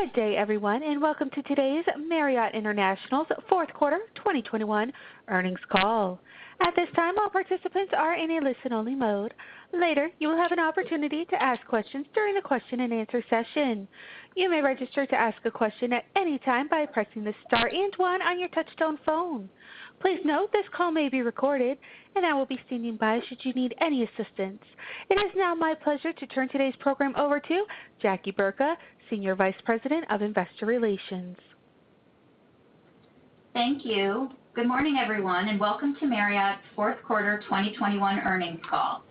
Good day, everyone, and welcome to today's Marriott International's fourth quarter 2021 earnings call. At this time, all participants are in a listen-only mode. Later, you will have an opportunity to ask questions during the question-and-answer session. You may register to ask a question at any time by pressing the star and one on your touchtone phone. Please note, this call may be recorded and I will be standing by should you need any assistance. It is now my pleasure to turn today's program over to Jackie Burka, Senior Vice President of Investor Relations. Thank you. Good morning, everyone, and welcome to Marriott's fourth quarter 2021 earnings call.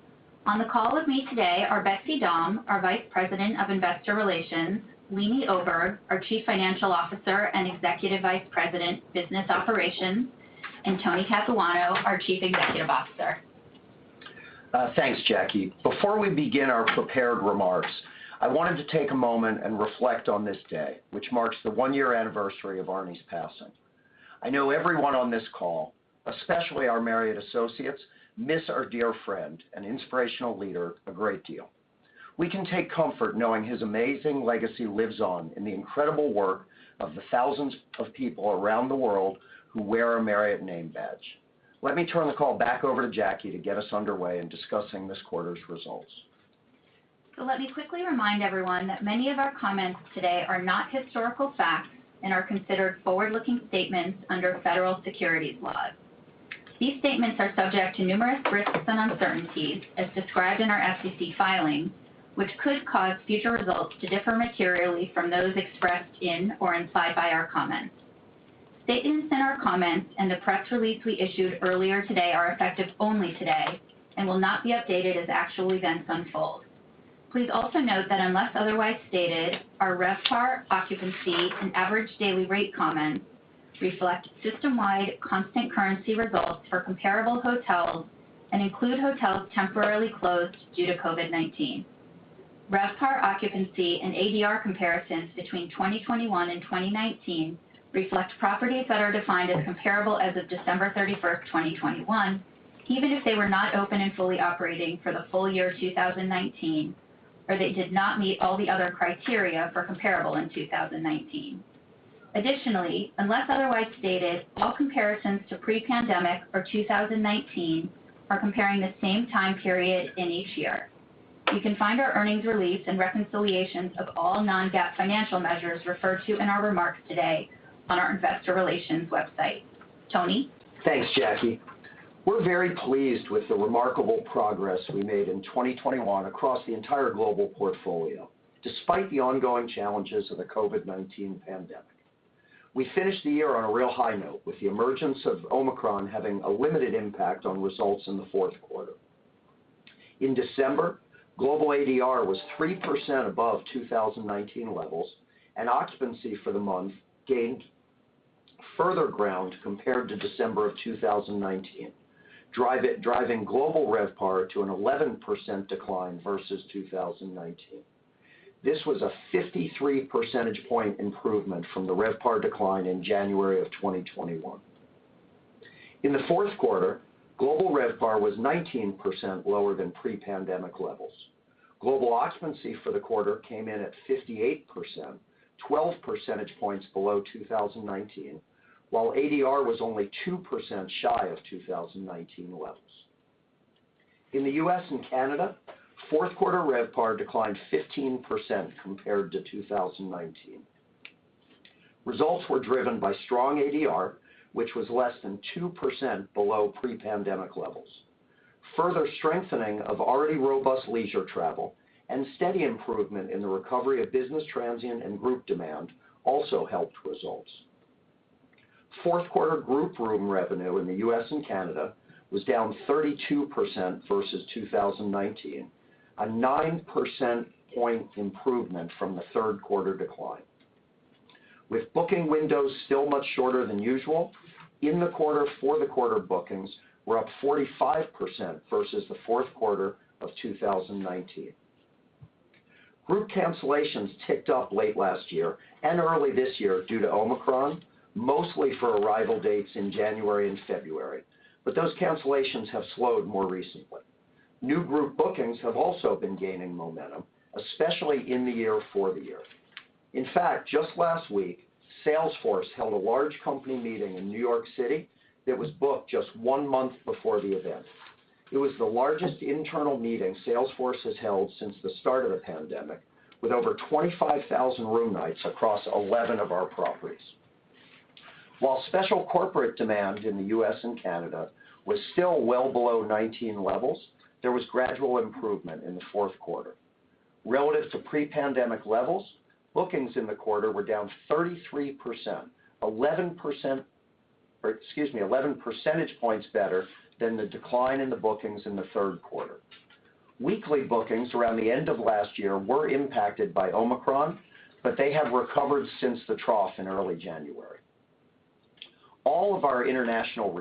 On the call with me today are Betsy Dahm, our Vice President of Investor Relations, Leeny Oberg, our Chief Financial Officer and Executive Vice President, Business Operations, and Tony Capuano, our Chief Executive Officer. Thanks, Jackie. Before we begin our prepared remarks, I wanted to take a moment and reflect on this day, which marks the one-year anniversary of Arne's passing. I know everyone on this call, especially our Marriott associates, miss our dear friend and inspirational leader a great deal. We can take comfort knowing his amazing legacy lives on in the incredible work of the thousands of people around the world who wear a Marriott name badge. Let me turn the call back over to Jackie to get us underway in discussing this quarter's results. Let me quickly remind everyone that many of our comments today are not historical facts and are considered forward-looking statements under federal securities laws. These statements are subject to numerous risks and uncertainties as described in our SEC filings, which could cause future results to differ materially from those expressed in or implied by our comments. Statements in our comments and the press release we issued earlier today are effective only today and will not be updated as actual events unfold. Please also note that unless otherwise stated, our RevPAR, occupancy, and average daily rate comments reflect system-wide constant currency results for comparable hotels and include hotels temporarily closed due to COVID-19. RevPAR occupancy and ADR comparisons between 2021 and 2019 reflect properties that are defined as comparable as of December 31st, 2021, even if they were not open and fully operating for the full year 2019, or they did not meet all the other criteria for comparable in 2019. Additionally, unless otherwise stated, all comparisons to pre-pandemic or 2019 are comparing the same time period in each year. You can find our earnings release and reconciliations of all non-GAAP financial measures referred to in our remarks today on our Investor Relations website. Tony? Thanks, Jackie. We're very pleased with the remarkable progress we made in 2021 across the entire global portfolio, despite the ongoing challenges of the COVID-19 pandemic. We finished the year on a real high note, with the emergence of Omicron having a limited impact on results in the fourth quarter. In December, global ADR was 3% above 2019 levels, and occupancy for the month gained further ground compared to December of 2019, driving global RevPAR to an 11% decline versus 2019. This was a 53 percentage point improvement from the RevPAR decline in January of 2021. In the fourth quarter, global RevPAR was 19% lower than pre-pandemic levels. Global occupancy for the quarter came in at 58%, 12 percentage points below 2019, while ADR was only 2% shy of 2019 levels. In the U.S. and Canada, fourth quarter RevPAR declined 15% compared to 2019. Results were driven by strong ADR, which was less than 2% below pre-pandemic levels. Further strengthening of already robust leisure travel and steady improvement in the recovery of business transient and group demand also helped results. Fourth quarter group room revenue in the U.S. and Canada was down 32% versus 2019, a 9 percent point improvement from the third quarter decline. With booking windows still much shorter than usual, in the quarter-for-quarter bookings were up 45% versus the fourth quarter of 2019. Group cancellations ticked up late last year and early this year due to Omicron, mostly for arrival dates in January and February. Those cancellations have slowed more recently. New group bookings have also been gaining momentum, especially in the year-for-year. In fact, just last week, Salesforce held a large company meeting in New York City that was booked just one month before the event. It was the largest internal meeting Salesforce has held since the start of the pandemic, with over 25,000 room nights across 11 of our properties. While special corporate demand in the U.S. and Canada was still well below 2019 levels, there was gradual improvement in the fourth quarter. Relative to pre-pandemic levels, bookings in the quarter were down 33%, 11 percentage points better than the decline in the bookings in the third quarter. Weekly bookings around the end of last year were impacted by Omicron, but they have recovered since the trough in early January. All of our international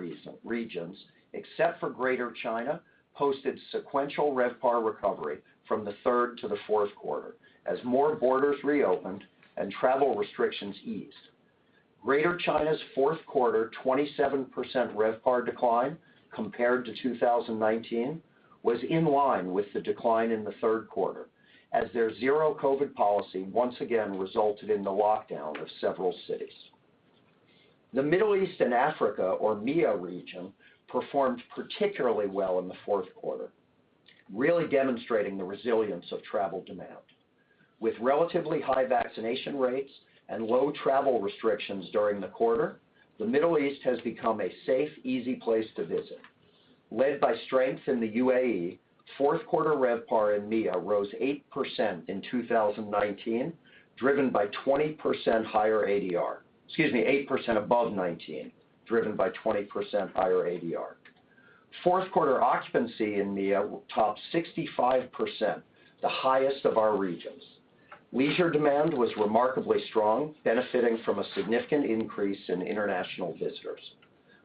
regions, except for Greater China, posted sequential RevPAR recovery from the third to the fourth quarter as more borders reopened and travel restrictions eased. Greater China's fourth quarter 27% RevPAR decline compared to 2019 was in line with the decline in the third quarter, as their zero COVID policy once again resulted in the lockdown of several cities. The Middle East and Africa, or MEA region, performed particularly well in the fourth quarter, really demonstrating the resilience of travel demand. With relatively high vaccination rates and low travel restrictions during the quarter, the Middle East has become a safe, easy place to visit. Led by strength in the UAE, fourth quarter RevPAR in MEA rose 8% in 2019, driven by 20% higher ADR. Excuse me, 8% above 2019, driven by 20% higher ADR. Fourth quarter occupancy in MEA topped 65%, the highest of our regions. Leisure demand was remarkably strong, benefiting from a significant increase in international visitors.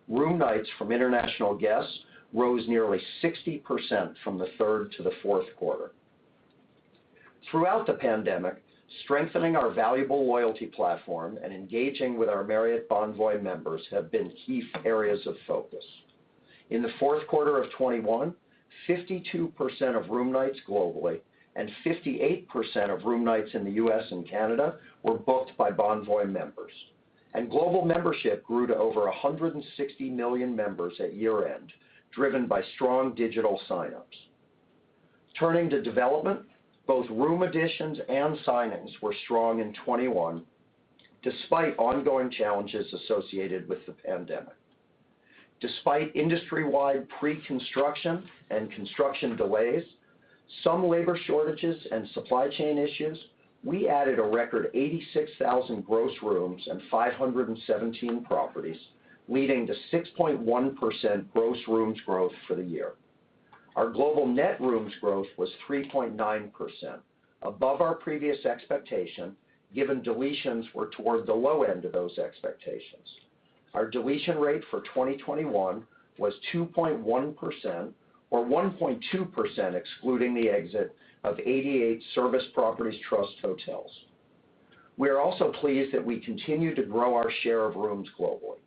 Room nights from international guests rose nearly 60% from the third to the fourth quarter. Throughout the pandemic, strengthening our valuable loyalty platform and engaging with our Marriott Bonvoy members have been key areas of focus. In the fourth quarter of 2021, 52% of room nights globally and 58% of room nights in the U.S. and Canada were booked by Bonvoy members. Global membership grew to over 160 million members at year-end, driven by strong digital sign-ups. Turning to development, both room additions and signings were strong in 2021, despite ongoing challenges associated with the pandemic. Despite industry-wide pre-construction and construction delays, some labor shortages and supply chain issues, we added a record 86,000 gross rooms and 517 properties, leading to 6.1% gross rooms growth for the year. Our global net rooms growth was 3.9%, above our previous expectation, given deletions were toward the low end of those expectations. Our deletion rate for 2021 was 2.1%, or 1.2% excluding the exit of 88 Service Properties Trust hotels. We are also pleased that we continue to grow our share of rooms globally.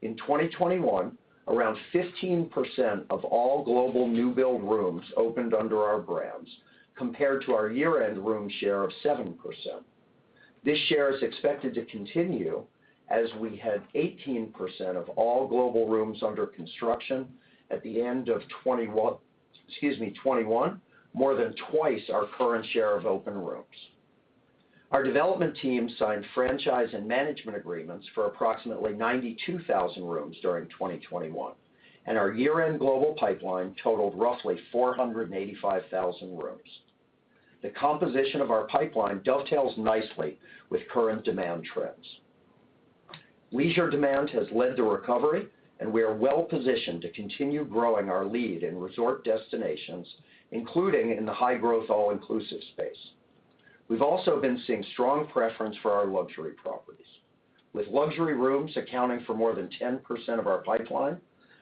In 2021, around 15% of all global new-build rooms opened under our brands, compared to our year-end room share of 7%. This share is expected to continue as we had 18% of all global rooms under construction at the end of 2021, more than twice our current share of open rooms. Our development team signed franchise and management agreements for approximately 92,000 rooms during 2021, and our year-end global pipeline totaled roughly 485,000 rooms. The composition of our pipeline dovetails nicely with current demand trends. Leisure demand has led to recovery, and we are well-positioned to continue growing our lead in resort destinations, including in the high-growth all-inclusive space. We've also been seeing strong preference for our luxury properties. With luxury rooms accounting for more than 10% of our pipeline,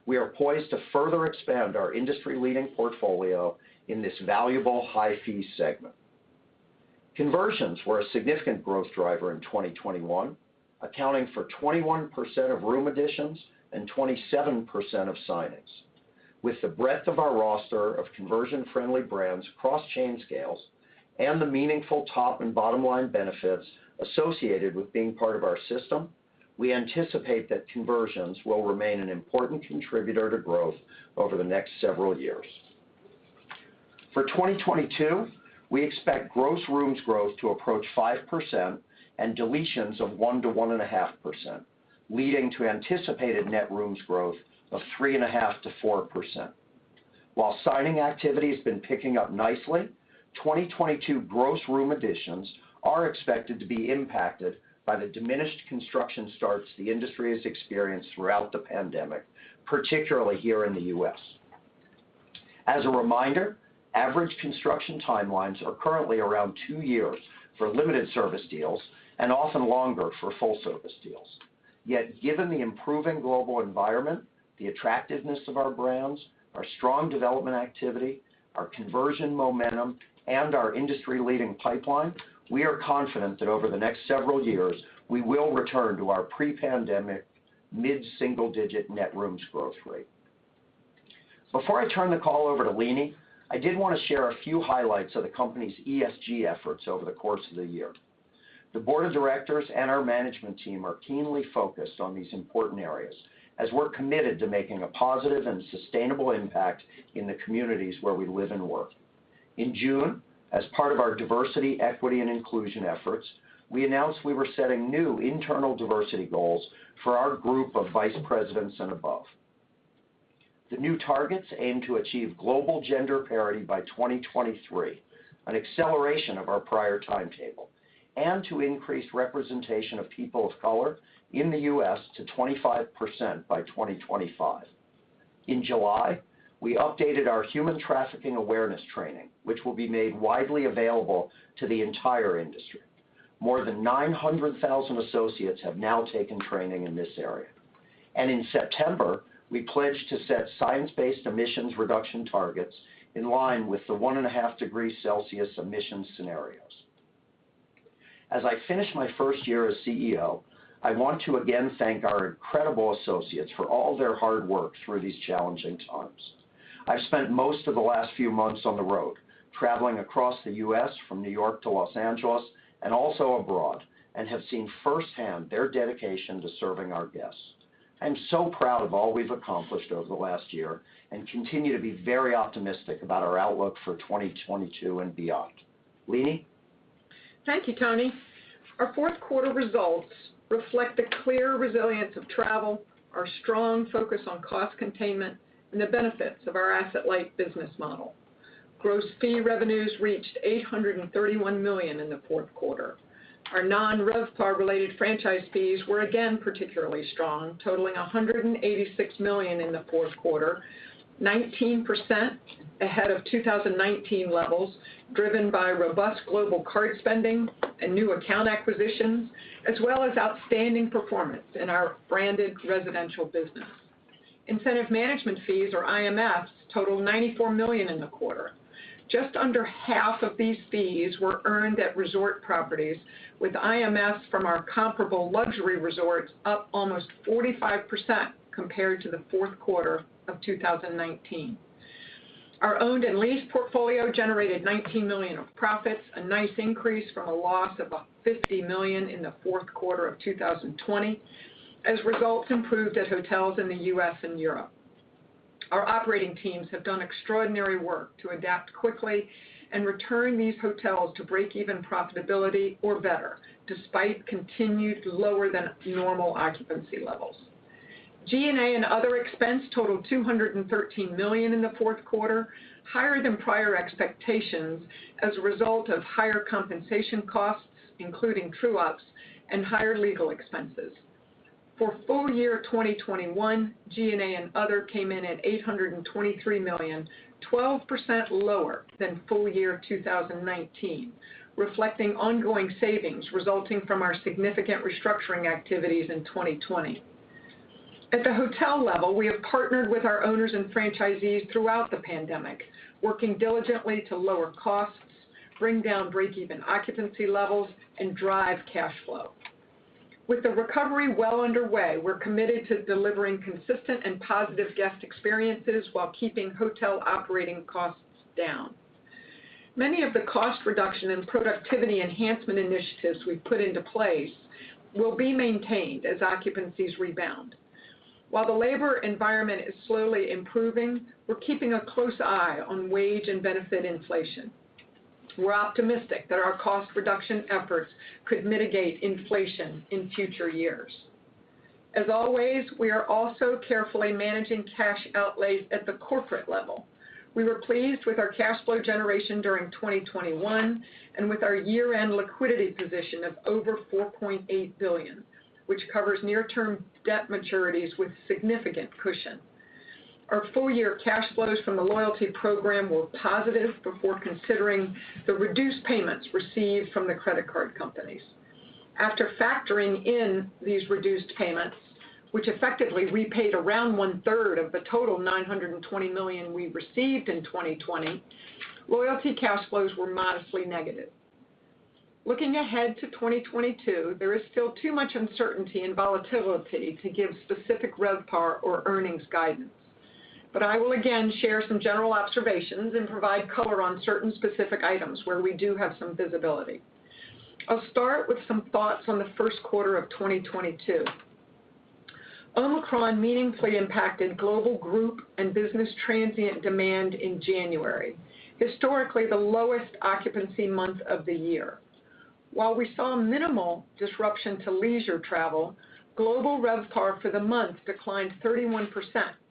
we are poised to further expand our industry-leading portfolio in this valuable high-fee segment. Conversions were a significant growth driver in 2021, accounting for 21% of room additions and 27% of signings. With the breadth of our roster of conversion-friendly brands across chain scales and the meaningful top and bottom line benefits associated with being part of our system, we anticipate that conversions will remain an important contributor to growth over the next several years. For 2022, we expect gross rooms growth to approach 5% and deletions of 1%-1.5%, leading to anticipated net rooms growth of 3.5%-4%. While signing activity has been picking up nicely, 2022 gross room additions are expected to be impacted by the diminished construction starts the industry has experienced throughout the pandemic, particularly here in the U.S. As a reminder, average construction timelines are currently around two years for limited service deals and often longer for full service deals. Yet given the improving global environment, the attractiveness of our brands, our strong development activity, our conversion momentum, and our industry-leading pipeline, we are confident that over the next several years, we will return to our pre-pandemic mid-single-digit net rooms growth rate. Before I turn the call over to Leeny, I did want to share a few highlights of the company's ESG efforts over the course of the year. The Board of Directors and our management team are keenly focused on these important areas, as we're committed to making a positive and sustainable impact in the communities where we live and work. In June, as part of our diversity, equity, and inclusion efforts, we announced we were setting new internal diversity goals for our group of Vice Presidents and above. The new targets aim to achieve global gender parity by 2023, an acceleration of our prior timetable, and to increase representation of people of color in the U.S. to 25% by 2025. In July, we updated our human trafficking awareness training, which will be made widely available to the entire industry. More than 900,000 associates have now taken training in this area. In September, we pledged to set science-based emissions reduction targets in line with the 1.5 degrees Celsius emissions scenarios. As I finish my first year as CEO, I want to again thank our incredible associates for all their hard work through these challenging times. I've spent most of the last few months on the road, traveling across the U.S. from New York to Los Angeles, and also abroad, and have seen firsthand their dedication to serving our guests. I'm so proud of all we've accomplished over the last year and continue to be very optimistic about our outlook for 2022 and beyond. Leeny? Thank you, Tony. Our fourth quarter results reflect the clear resilience of travel, our strong focus on cost containment, and the benefits of our asset-light business model. Gross fee revenues reached $831 million in the fourth quarter. Our non-RevPAR related franchise fees were again particularly strong, totaling $186 million in the fourth quarter, 19% ahead of 2019 levels, driven by robust global card spending and new account acquisitions, as well as outstanding performance in our branded residential business. Incentive management fees or IMFs totaled $94 million in the quarter. Just under half of these fees were earned at resort properties, with IMFs from our comparable luxury resorts up almost 45% compared to the fourth quarter of 2019. Our owned and leased portfolio generated $19 million of profits, a nice increase from a loss of $50 million in the fourth quarter of 2020 as results improved at hotels in the U.S. and Europe. Our operating teams have done extraordinary work to adapt quickly and return these hotels to break-even profitability or better despite continued lower-than-normal occupancy levels. G&A and other expense totaled $213 million in the fourth quarter, higher than prior expectations as a result of higher compensation costs, including true-ups and higher legal expenses. For full year 2021, G&A and other came in at $823 million, 12% lower than full year 2019, reflecting ongoing savings resulting from our significant restructuring activities in 2020. At the hotel level, we have partnered with our owners and franchisees throughout the pandemic, working diligently to lower costs, bring down break-even occupancy levels, and drive cash flow. With the recovery well underway, we're committed to delivering consistent and positive guest experiences while keeping hotel operating costs down. Many of the cost reduction and productivity enhancement initiatives we've put into place will be maintained as occupancies rebound. While the labor environment is slowly improving, we're keeping a close eye on wage and benefit inflation. We're optimistic that our cost reduction efforts could mitigate inflation in future years. As always, we are also carefully managing cash outlays at the corporate level. We were pleased with our cash flow generation during 2021 and with our year-end liquidity position of over $4.8 billion, which covers near-term debt maturities with significant cushion. Our full-year cash flows from the loyalty program were positive before considering the reduced payments received from the credit card companies. After factoring in these reduced payments, which effectively repaid around 1/3 of the total $920 million we received in 2020, loyalty cash flows were modestly negative. Looking ahead to 2022, there is still too much uncertainty and volatility to give specific RevPAR or earnings guidance. I will again share some general observations and provide color on certain specific items where we do have some visibility. I'll start with some thoughts on the first quarter of 2022. Omicron meaningfully impacted global group and business transient demand in January, historically the lowest occupancy month of the year. While we saw minimal disruption to leisure travel, global RevPAR for the month declined 31%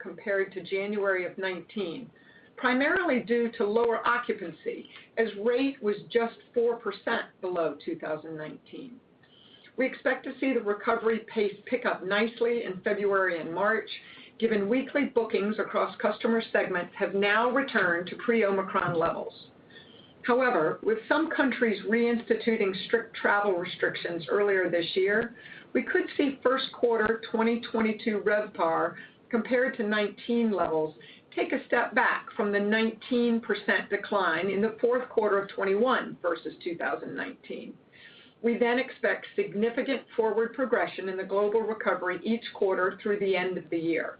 compared to January 2019, primarily due to lower occupancy as rate was just 4% below 2019. We expect to see the recovery pace pick up nicely in February and March, given weekly bookings across customer segments have now returned to pre-Omicron levels. However, with some countries reinstituting strict travel restrictions earlier this year, we could see first quarter 2022 RevPAR compared to 2019 levels take a step back from the 19% decline in the fourth quarter of 2021 versus 2019. We then expect significant forward progression in the global recovery each quarter through the end of the year.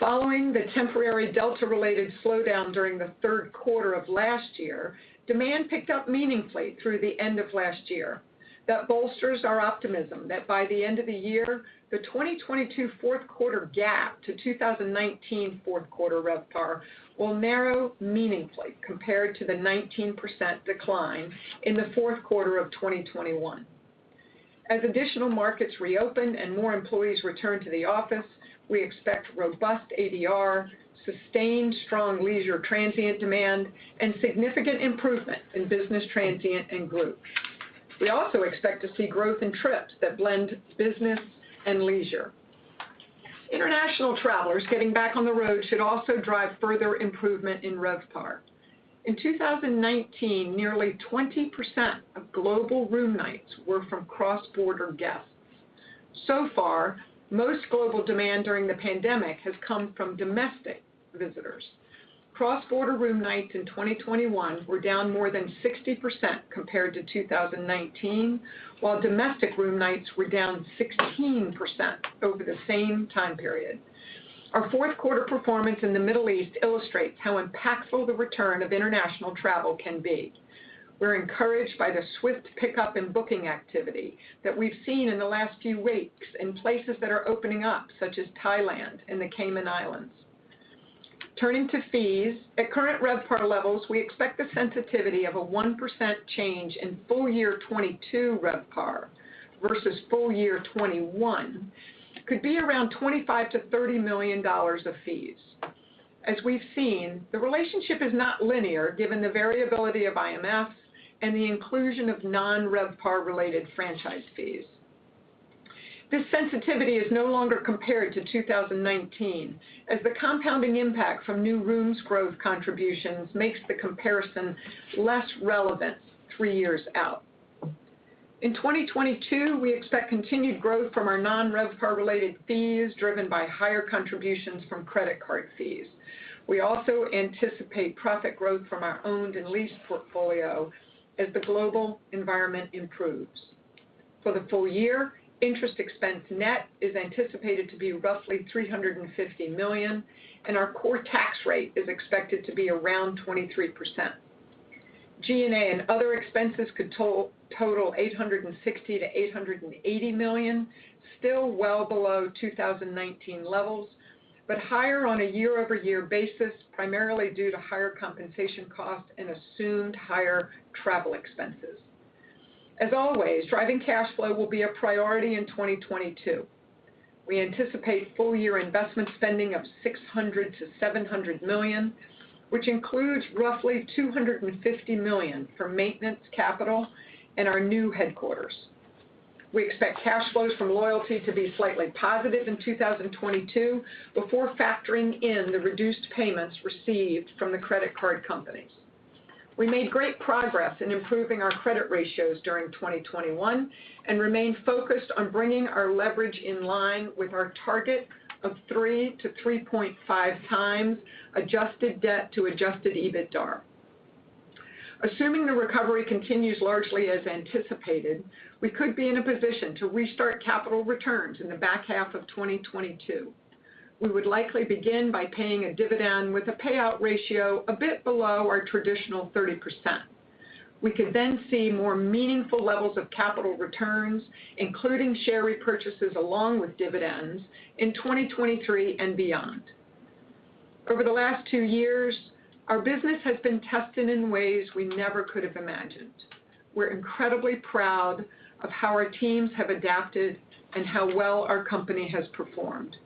Following the temporary Delta-related slowdown during the third quarter of last year, demand picked up meaningfully through the end of last year. That bolsters our optimism that by the end of the year, the 2022 fourth quarter gap to 2019 fourth quarter RevPAR will narrow meaningfully compared to the 19% decline in the fourth quarter of 2021. As additional markets reopen and more employees return to the office, we expect robust ADR, sustained strong leisure transient demand, and significant improvement in business transient and group. We also expect to see growth in trips that blend business and leisure. International travelers getting back on the road should also drive further improvement in RevPAR. In 2019, nearly 20% of global room nights were from cross-border guests. So far, most global demand during the pandemic has come from domestic visitors. Cross-border room nights in 2021 were down more than 60% compared to 2019, while domestic room nights were down 16% over the same time period. Our fourth quarter performance in the Middle East illustrates how impactful the return of international travel can be. We're encouraged by the swift pickup in booking activity that we've seen in the last few weeks in places that are opening up, such as Thailand and the Cayman Islands. Turning to fees, at current RevPAR levels, we expect the sensitivity of a 1% change in full year 2022 RevPAR versus full year 2021 could be around $25 million-$30 million of fees. As we've seen, the relationship is not linear given the variability of IMFs and the inclusion of non-RevPAR related franchise fees. This sensitivity is no longer compared to 2019, as the compounding impact from new rooms growth contributions makes the comparison less relevant three years out. In 2022, we expect continued growth from our non-RevPAR related fees driven by higher contributions from credit card fees. We also anticipate profit growth from our owned and leased portfolio as the global environment improves. For the full year, interest expense net is anticipated to be roughly $350 million, and our core tax rate is expected to be around 23%. G&A and other expenses could total $860 million-$880 million, still well below 2019 levels, but higher on a year-over-year basis, primarily due to higher compensation costs and assumed higher travel expenses. As always, driving cash flow will be a priority in 2022. We anticipate full-year investment spending of $600 million-$700 million, which includes roughly $250 million for maintenance, capital, and our new headquarters. We expect cash flows from loyalty to be slightly positive in 2022 before factoring in the reduced payments received from the credit card companies. We made great progress in improving our credit ratios during 2021 and remain focused on bringing our leverage in line with our target of 3x-3.5x adjusted debt to Adjusted EBITDA. Assuming the recovery continues largely as anticipated, we could be in a position to restart capital returns in the back half of 2022. We would likely begin by paying a dividend with a payout ratio a bit below our traditional 30%. We could then see more meaningful levels of capital returns, including share repurchases along with dividends in 2023 and beyond. Over the last two years, our business has been tested in ways we never could have imagined. We're incredibly proud of how our teams have adapted and how well our company has performed.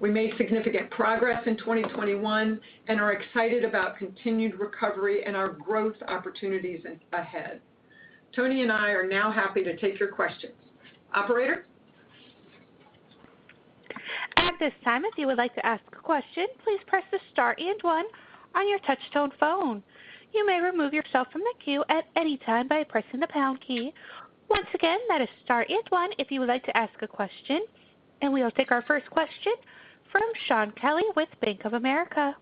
We made significant progress in 2021 and are excited about continued recovery and our growth opportunities ahead. Tony and I are now happy to take your questions. Operator? At this time, if you would like to ask a question, please press the star and one on your touch tone phone. You may remove yourself from the queue at any time by pressing the pound key. Once again, that is star and one if you would like to ask a question, and we will take our first question from Shaun Kelley with Bank of America.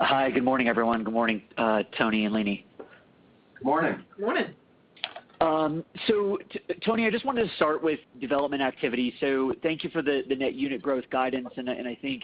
Hi, good morning, everyone. Good morning, Tony and Leeny. Morning. Morning. Tony, I just wanted to start with development activity. Thank you for the net unit growth guidance, and I think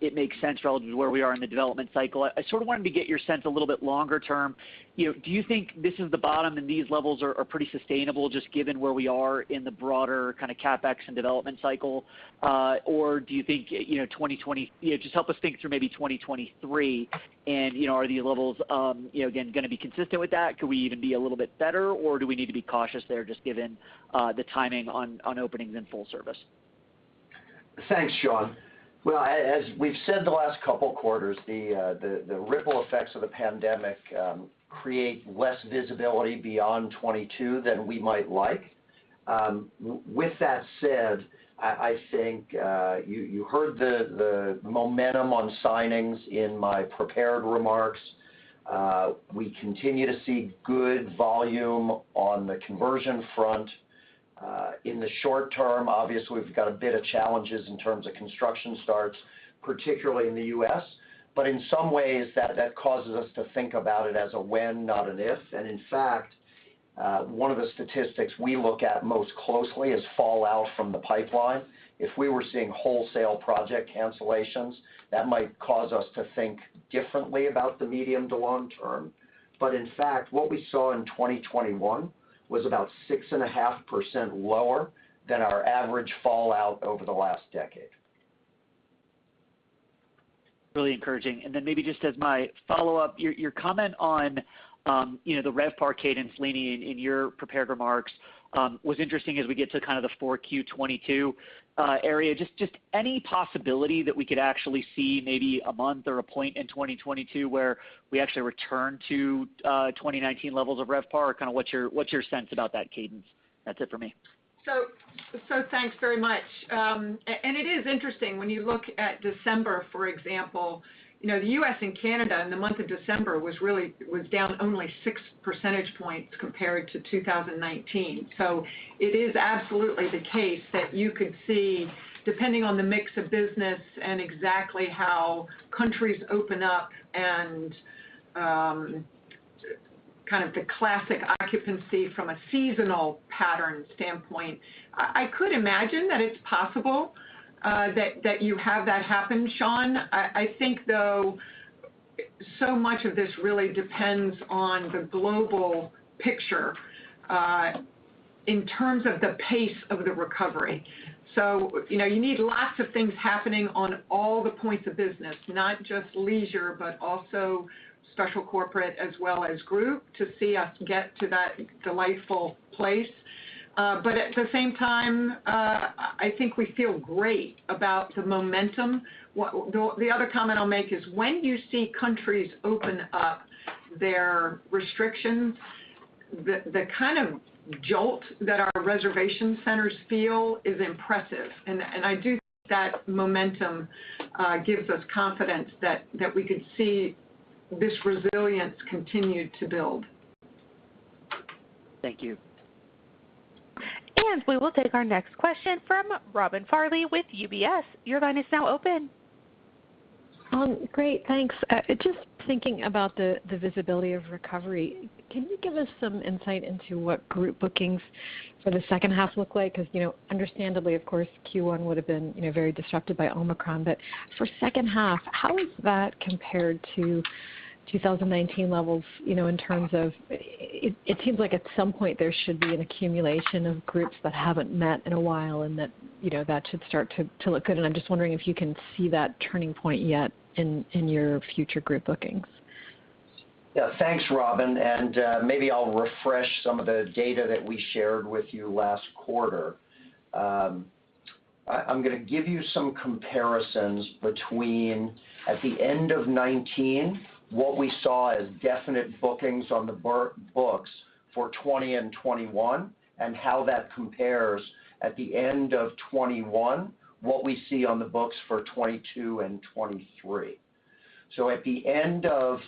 it makes sense relative to where we are in the development cycle. I sort of wanted to get your sense a little bit longer term. You know, do you think this is the bottom and these levels are pretty sustainable just given where we are in the broader kind of CapEx and development cycle? Or do you think you know, just help us think through maybe 2023 and, you know, are the levels you know, again, gonna be consistent with that? Could we even be a little bit better, or do we need to be cautious there just given the timing on openings in full service? Thanks, Shaun. Well, we've said the last couple quarters, the ripple effects of the pandemic create less visibility beyond 2022 than we might like. With that said, I think you heard the momentum on signings in my prepared remarks. We continue to see good volume on the conversion front. In the short term, obviously, we've got a bit of challenges in terms of construction starts, particularly in the U.S. In some ways, that causes us to think about it as a when, not an if. In fact, one of the statistics we look at most closely is fallout from the pipeline. If we were seeing wholesale project cancellations, that might cause us to think differently about the medium to long term. In fact, what we saw in 2021 was about 6.5% lower than our average fallout over the last decade. Really encouraging. Then maybe just as my follow-up, your comment on, you know, the RevPAR cadence leaning in your prepared remarks, was interesting as we get to kind of the 4Q 2022 area. Just any possibility that we could actually see maybe a month or a point in 2022 where we actually return to, 2019 levels of RevPAR? Kind of, what's your sense about that cadence? That's it for me. Thanks very much. It is interesting when you look at December, for example, the U.S. and Canada in the month of December was down only 6 percentage points compared to 2019. It is absolutely the case that you could see, depending on the mix of business and exactly how countries open up and kind of the classic occupancy from a seasonal pattern standpoint. I could imagine that it's possible that you have that happen, Shaun. I think, though, so much of this really depends on the global picture in terms of the pace of the recovery. You need lots of things happening on all the points of business, not just leisure, but also special corporate as well as group to see us get to that delightful place. At the same time, I think we feel great about the momentum. The other comment I'll make is when you see countries open up their restrictions, the kind of jolt that our reservation centers feel is impressive. I do think that momentum gives us confidence that we could see this resilience continue to build. Thank you. We will take our next question from Robin Farley with UBS. Your line is now open. Great. Thanks. Just thinking about the visibility of recovery, can you give us some insight into what group bookings for the second half look like? Because, you know, understandably, of course, Q1 would have been, you know, very disrupted by Omicron. But for second half, how is that compared to 2019 levels, you know, in terms of. It seems like at some point there should be an accumulation of groups that haven't met in a while and that, you know, that should start to look good. I'm just wondering if you can see that turning point yet in your future group bookings. Yeah. Thanks, Robin. Maybe I'll refresh some of the data that we shared with you last quarter. I'm gonna give you some comparisons between at the end of 2019 what we saw as definite bookings on the books for 2020 and 2021, and how that compares at the end of 2021, what we see on the books for 2022 and 2023. At the end of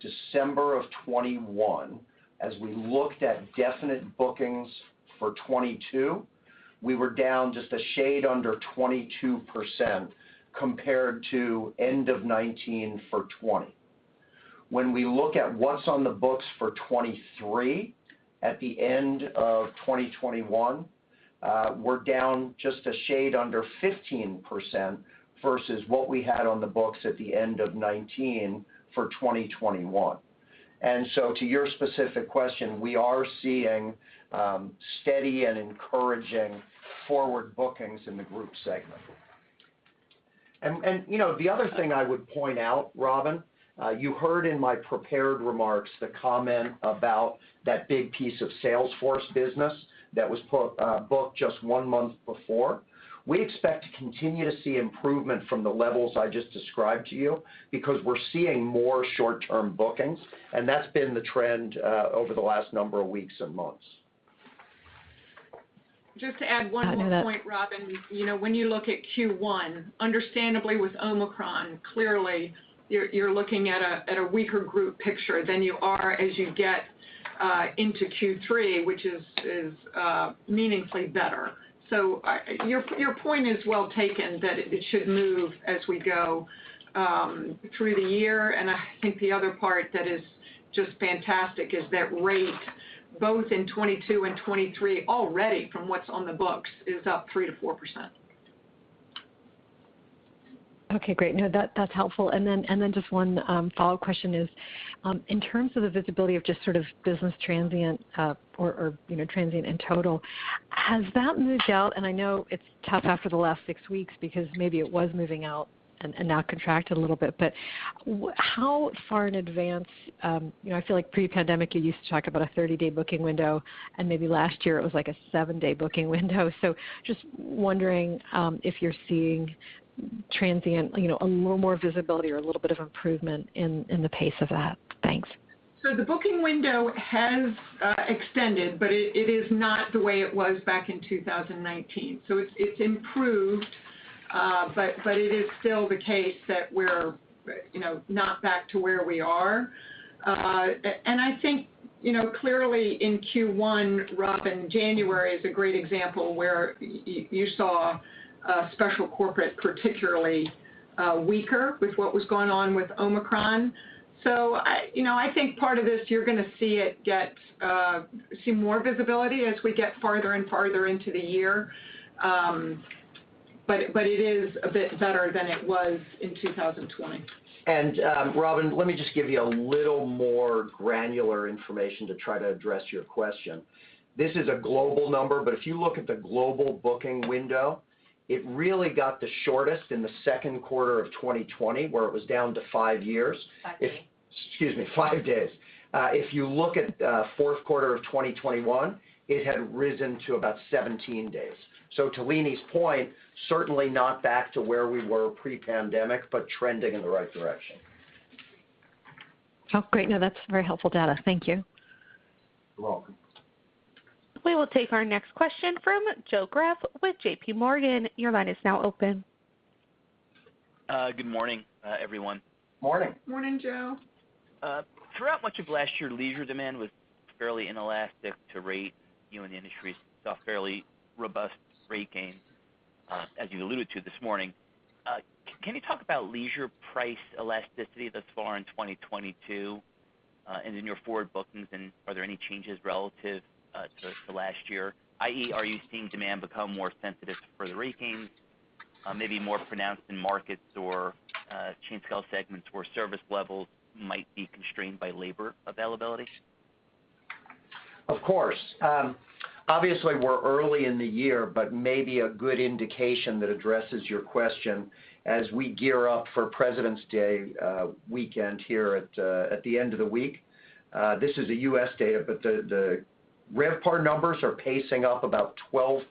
December of 2021, as we looked at definite bookings for 2022, we were down just a shade under 22% compared to end of 2019 for 2020. When we look at what's on the books for 2023 at the end of 2021, we're down just a shade under 15% versus what we had on the books at the end of 2019 for 2021. To your specific question, we are seeing steady and encouraging forward bookings in the group segment. You know, the other thing I would point out, Robin, you heard in my prepared remarks the comment about that big piece of Salesforce business that was booked just one month before. We expect to continue to see improvement from the levels I just described to you because we're seeing more short-term bookings, and that's been the trend over the last number of weeks and months. Just to add one more point, Robin. You know, when you look at Q1, understandably with Omicron, clearly you're looking at a weaker group picture than you are as you get into Q3, which is meaningfully better. So, your point is well taken that it should move as we go through the year. I think the other part that is just fantastic is that rate, both in 2022 and 2023 already from what's on the books, is up 3%-4%. Okay, great. No, that's helpful. Just one follow-up question is in terms of the visibility of just sort of business transient or, you know, transient in total, has that moved out? I know it's tough after the last six weeks because maybe it was moving out and now contracted a little bit. How far in advance, you know, I feel like pre-pandemic, you used to talk about a 30-day booking window, and maybe last year it was like a seven-day booking window. Just wondering if you're seeing transient, you know, a little more visibility or a little bit of improvement in the pace of that. Thanks. The booking window has extended, but it is not the way it was back in 2019. It's improved, but it is still the case that we're you know not back to where we are. I think you know clearly in Q1, Robin, January is a great example where you saw especially corporate, particularly weaker with what was going on with Omicron. I think part of this, you're gonna see it get more visibility as we get farther and farther into the year. But it is a bit better than it was in 2020. Robin, let me just give you a little more granular information to try to address your question. This is a global number, but if you look at the global booking window, it really got the shortest in the second quarter of 2020, where it was down to five years. Exactly. Excuse me, five days. If you look at fourth quarter of 2021, it had risen to about 17 days. To Leeny's point, certainly not back to where we were pre-pandemic, but trending in the right direction. Oh, great. No, that's very helpful data. Thank you. You're welcome. We will take our next question from Joe Greff with JPMorgan. Your line is now open. Good morning, everyone. Morning. Morning, Joe. Throughout much of last year, leisure demand was fairly inelastic to rate, you and the industry saw fairly robust rate gains, as you alluded to this morning. Can you talk about leisure price elasticity thus far in 2022, and in your forward bookings, and are there any changes relative to last year, i.e., are you seeing demand become more sensitive for the rate gains, maybe more pronounced in markets or chain scale segments where service levels might be constrained by labor availability? Of course. Obviously we're early in the year, but maybe a good indication that addresses your question as we gear up for President's Day weekend here at the end of the week. This is U.S. data, but the RevPAR numbers are pacing up about 12%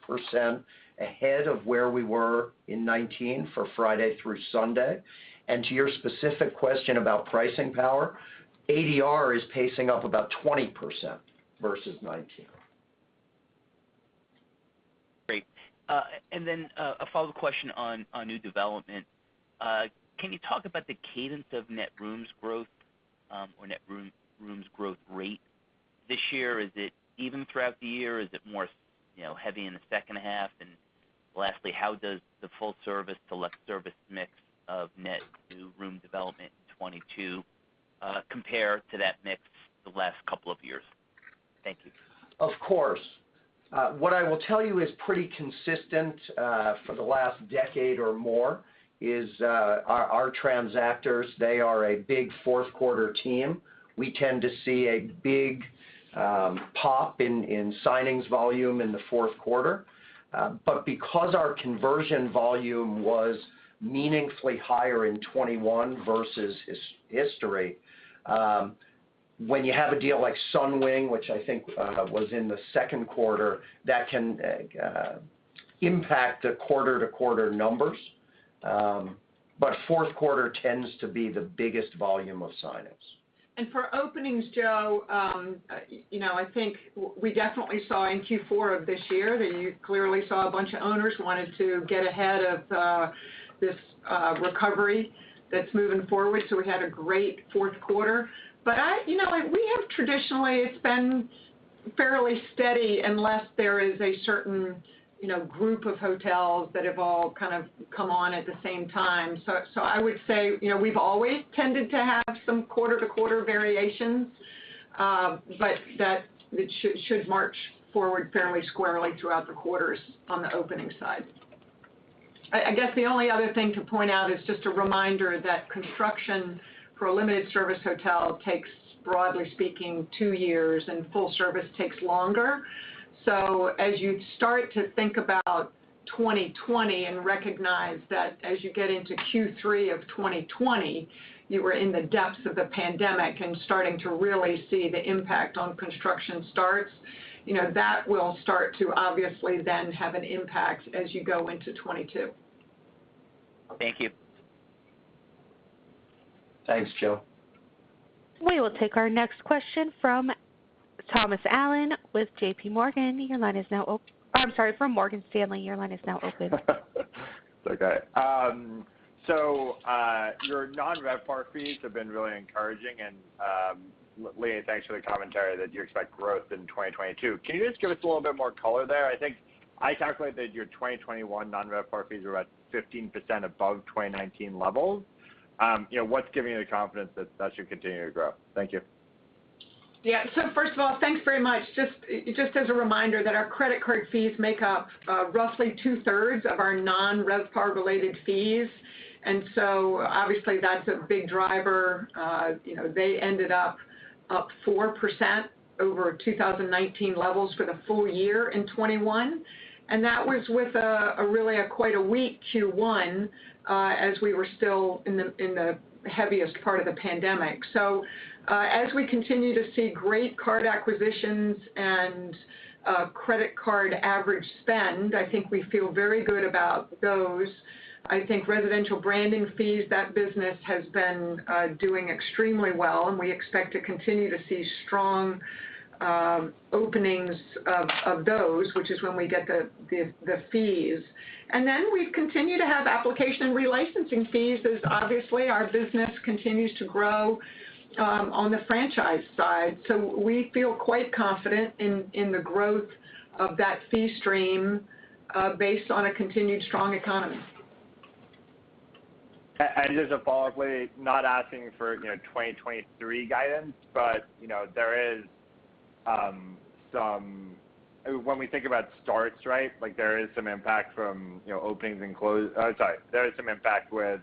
ahead of where we were in 2019 for Friday through Sunday. To your specific question about pricing power, ADR is pacing up about 20% versus 2019. Great. A follow question on new development. Can you talk about the cadence of net rooms growth or net rooms growth rate this year? Is it even throughout the year? Is it more, you know, heavy in the second half? Lastly, how does the full-service-to-less-service mix of net new room development in 2022 compare to that mix the last couple of years? Thank you. Of course. What I will tell you is pretty consistent for the last decade or more is our transactors. They are a big fourth quarter team. We tend to see a big pop in signings volume in the fourth quarter. Because our conversion volume was meaningfully higher in 2021 versus history, when you have a deal like Sunwing, which I think was in the second quarter, that can impact the quarter-to-quarter numbers. Fourth quarter tends to be the biggest volume of signings. For openings, Joe, you know, I think we definitely saw in Q4 of this year that you clearly saw a bunch of owners wanted to get ahead of this recovery that's moving forward. We had a great fourth quarter. We have traditionally, it's been fairly steady unless there is a certain, you know, group of hotels that have all kind of come on at the same time. I would say, you know, we've always tended to have some quarter-to-quarter variations, but that it should march forward fairly squarely throughout the quarters on the opening side. I guess the only other thing to point out is just a reminder that construction for a limited service hotel takes, broadly speaking, two years, and full service takes longer. As you start to think about 2020 and recognize that as you get into Q3 of 2020, you were in the depths of the pandemic and starting to really see the impact on construction starts, you know, that will start to obviously then have an impact as you go into 2022. Thank you. Thanks, Joe. We will take our next question from Thomas Allen with JPMorgan. I'm sorry, from Morgan Stanley. Your line is now open. It's okay. Your non-RevPAR fees have been really encouraging, and, Leeny, thanks for the commentary that you expect growth in 2022. Can you just give us a little bit more color there? I think I calculate that your 2021 non-RevPAR fees were about 15% above 2019 levels. You know, what's giving you the confidence that that should continue to grow? Thank you. Yeah. First of all, thanks very much. Just as a reminder that our credit card fees make up roughly 2/3 of our non-RevPAR related fees, and obviously that's a big driver. You know, they ended up 4% over 2019 levels for the full year in 2021, and that was with a really quite a weak Q1 as we were still in the heaviest part of the pandemic. As we continue to see great card acquisitions and credit card average spend, I think we feel very good about those. I think residential branding fees, that business has been doing extremely well, and we expect to continue to see strong openings of those, which is when we get the fees. We continue to have application relicensing fees as obviously our business continues to grow on the franchise side. We feel quite confident in the growth of that fee stream based on a continued strong economy. Just a follow-up, yeah, not asking for 2023 guidance, but you know, when we think about starts, right, like there is some impact with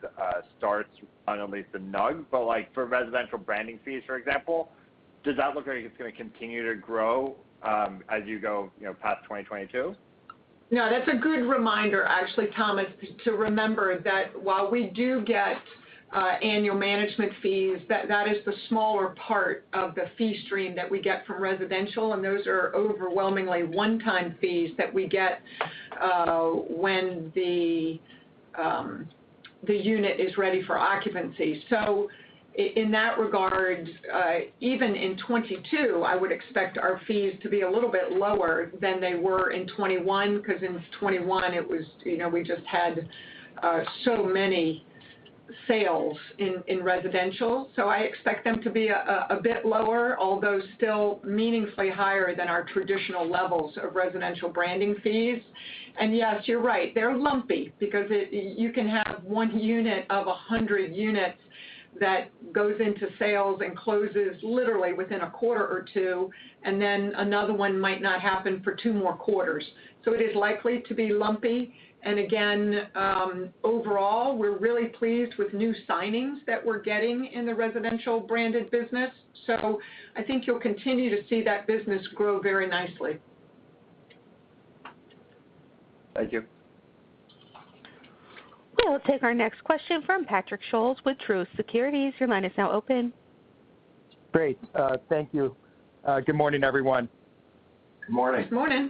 starts on at least the new, but like for residential branding fees, for example, does that look like it's gonna continue to grow as you go, you know, past 2022? No, that's a good reminder, actually, Thomas, to remember that while we do get annual management fees, that is the smaller part of the fee stream that we get from residential, and those are overwhelmingly one-time fees that we get when the unit is ready for occupancy. In that regard, even in 2022, I would expect our fees to be a little bit lower than they were in 2021 because in 2021 it was you know, we just had so many sales in residential. I expect them to be a bit lower, although still meaningfully higher than our traditional levels of residential branding fees. Yes, you're right, they're lumpy because you can have one unit of 100 units that goes into sales and closes literally within a quarter or two, and then another one might not happen for two more quarters. It is likely to be lumpy. Again, overall, we're really pleased with new signings that we're getting in the residential branded business. I think you'll continue to see that business grow very nicely. Thank you. We'll take our next question from Patrick Scholes with Truist Securities. Your line is now open. Great. Thank you. Good morning, everyone. Good morning. Good morning.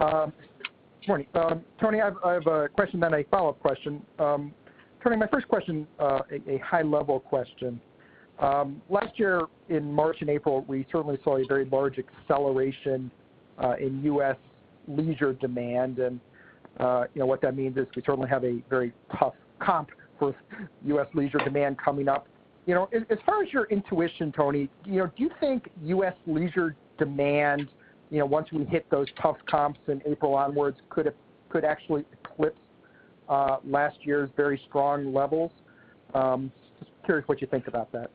Good morning. Tony, I have a question, then a follow-up question. Tony, my first question, a high-level question. Last year in March and April, we certainly saw a very large acceleration in U.S. leisure demand. You know, what that means is we certainly have a very tough comp for U.S. leisure demand coming up. You know, as far as your intuition, Tony, you know, do you think U.S. leisure demand, you know, once we hit those tough comps in April onwards, could actually eclipse last year's very strong levels? Just curious what you think about that.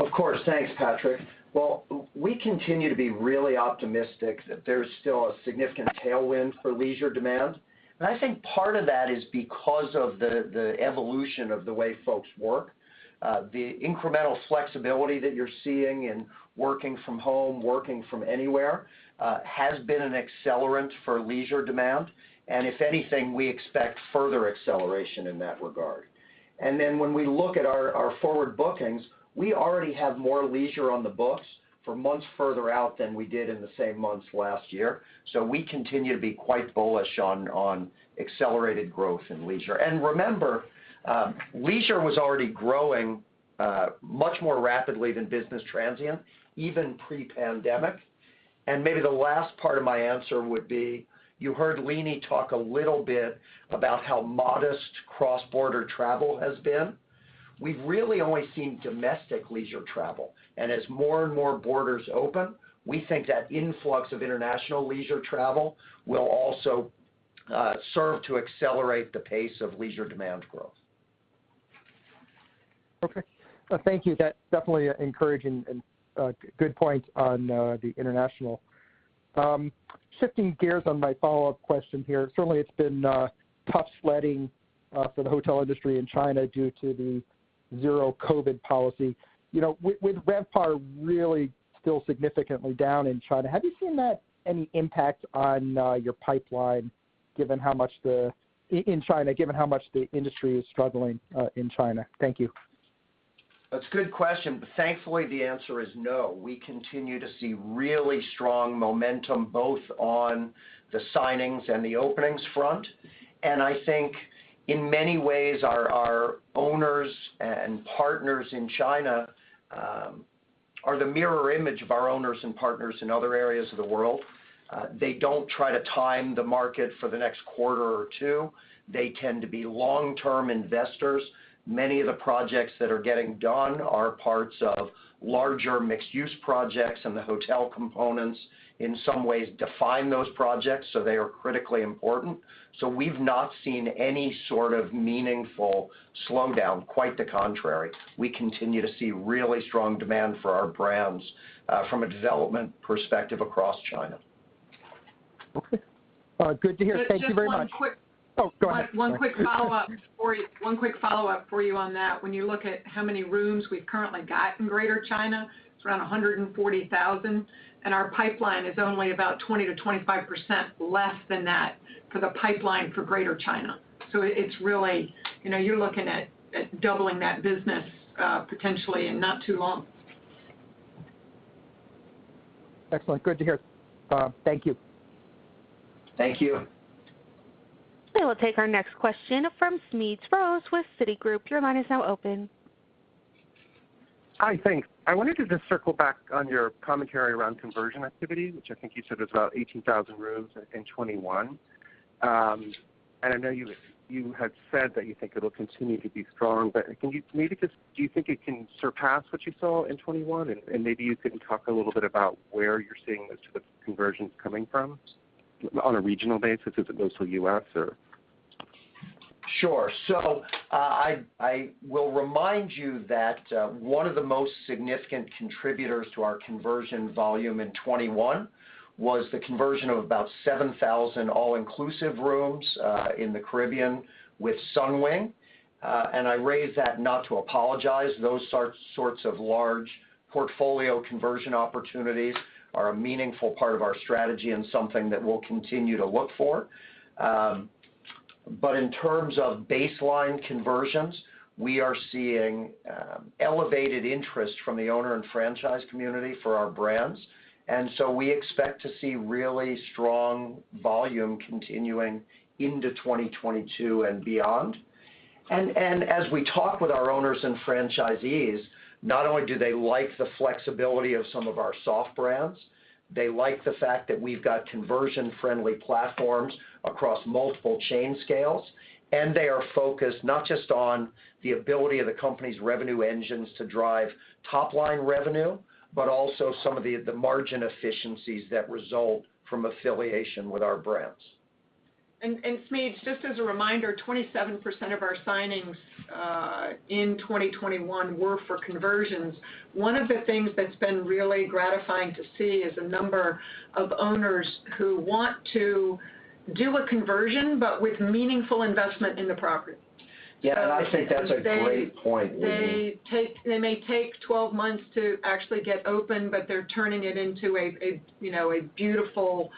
Of course. Thanks, Patrick. Well, we continue to be really optimistic that there's still a significant tailwind for leisure demand. I think part of that is because of the evolution of the way folks work. The incremental flexibility that you're seeing in working from home, working from anywhere, has been an accelerant for leisure demand. If anything, we expect further acceleration in that regard. Then when we look at our forward bookings, we already have more leisure on the books for months further out than we did in the same months last year. We continue to be quite bullish on accelerated growth in leisure. Remember, leisure was already growing much more rapidly than business transient, even pre-pandemic. Maybe the last part of my answer would be, you heard Leeny talk a little bit about how modest cross-border travel has been. We've really only seen domestic leisure travel. As more and more borders open, we think that influx of international leisure travel will also serve to accelerate the pace of leisure demand growth. Okay. Thank you. That's definitely encouraging and, good point on, the international. Shifting gears on my follow-up question here, certainly it's been, tough sledding, for the hotel industry in China due to the zero-COVID policy. You know, with RevPAR really still significantly down in China, have you seen any impact on your pipeline given how much the industry is struggling in China? Thank you. That's a good question. Thankfully, the answer is no. We continue to see really strong momentum both on the signings and the openings front. I think in many ways, our owners and partners in China are the mirror image of our owners and partners in other areas of the world. They don't try to time the market for the next quarter or two. They tend to be long-term investors. Many of the projects that are getting done are parts of larger mixed-use projects, and the hotel components, in some ways, define those projects, so they are critically important. We've not seen any sort of meaningful slowdown, quite the contrary. We continue to see really strong demand for our brands from a development perspective across China. Okay. Good to hear. Thank you very much. Just one quick follow up. Oh, go ahead. One quick follow-up for you on that. When you look at how many rooms we've currently got in Greater China, it's around 140,000, and our pipeline is only about 20%-25% less than that for the pipeline for Greater China. It's really you know, you're looking at doubling that business, potentially in not too long. Excellent. Good to hear. Thank you. Thank you. We will take our next question from Smedes Rose with Citigroup. Your line is now open. Hi. Thanks. I wanted to just circle back on your commentary around conversion activity, which I think you said was about 18,000 rooms in 2021. I know you had said that you think it'll continue to be strong, but can you maybe do you think it can surpass what you saw in 2021? Maybe you can talk a little bit about where you're seeing the sort of conversions coming from on a regional basis. Is it mostly U.S. or? Sure. So I will remind you that one of the most significant contributors to our conversion volume in 2021 was the conversion of about 7,000 all-inclusive rooms in the Caribbean with Sunwing. I raise that not to apologize. Those sorts of large portfolio conversion opportunities are a meaningful part of our strategy and something that we'll continue to look for. In terms of baseline conversions, we are seeing elevated interest from the owner and franchise community for our brands. We expect to see really strong volume continuing into 2022 and beyond. As we talk with our owners and franchisees, not only do they like the flexibility of some of our soft brands, they like the fact that we've got conversion-friendly platforms across multiple chain scales, and they are focused not just on the ability of the company's revenue engines to drive top line revenue, but also some of the margin efficiencies that result from affiliation with our brands. Smedes, just as a reminder, 27% of our signings in 2021 were for conversions. One of the things that's been really gratifying to see is a number of owners who want to do a conversion, but with meaningful investment in the property. Yeah. I think that's a great point, Leeny. They may take 12 months to actually get open, but they're turning it into a you know beautiful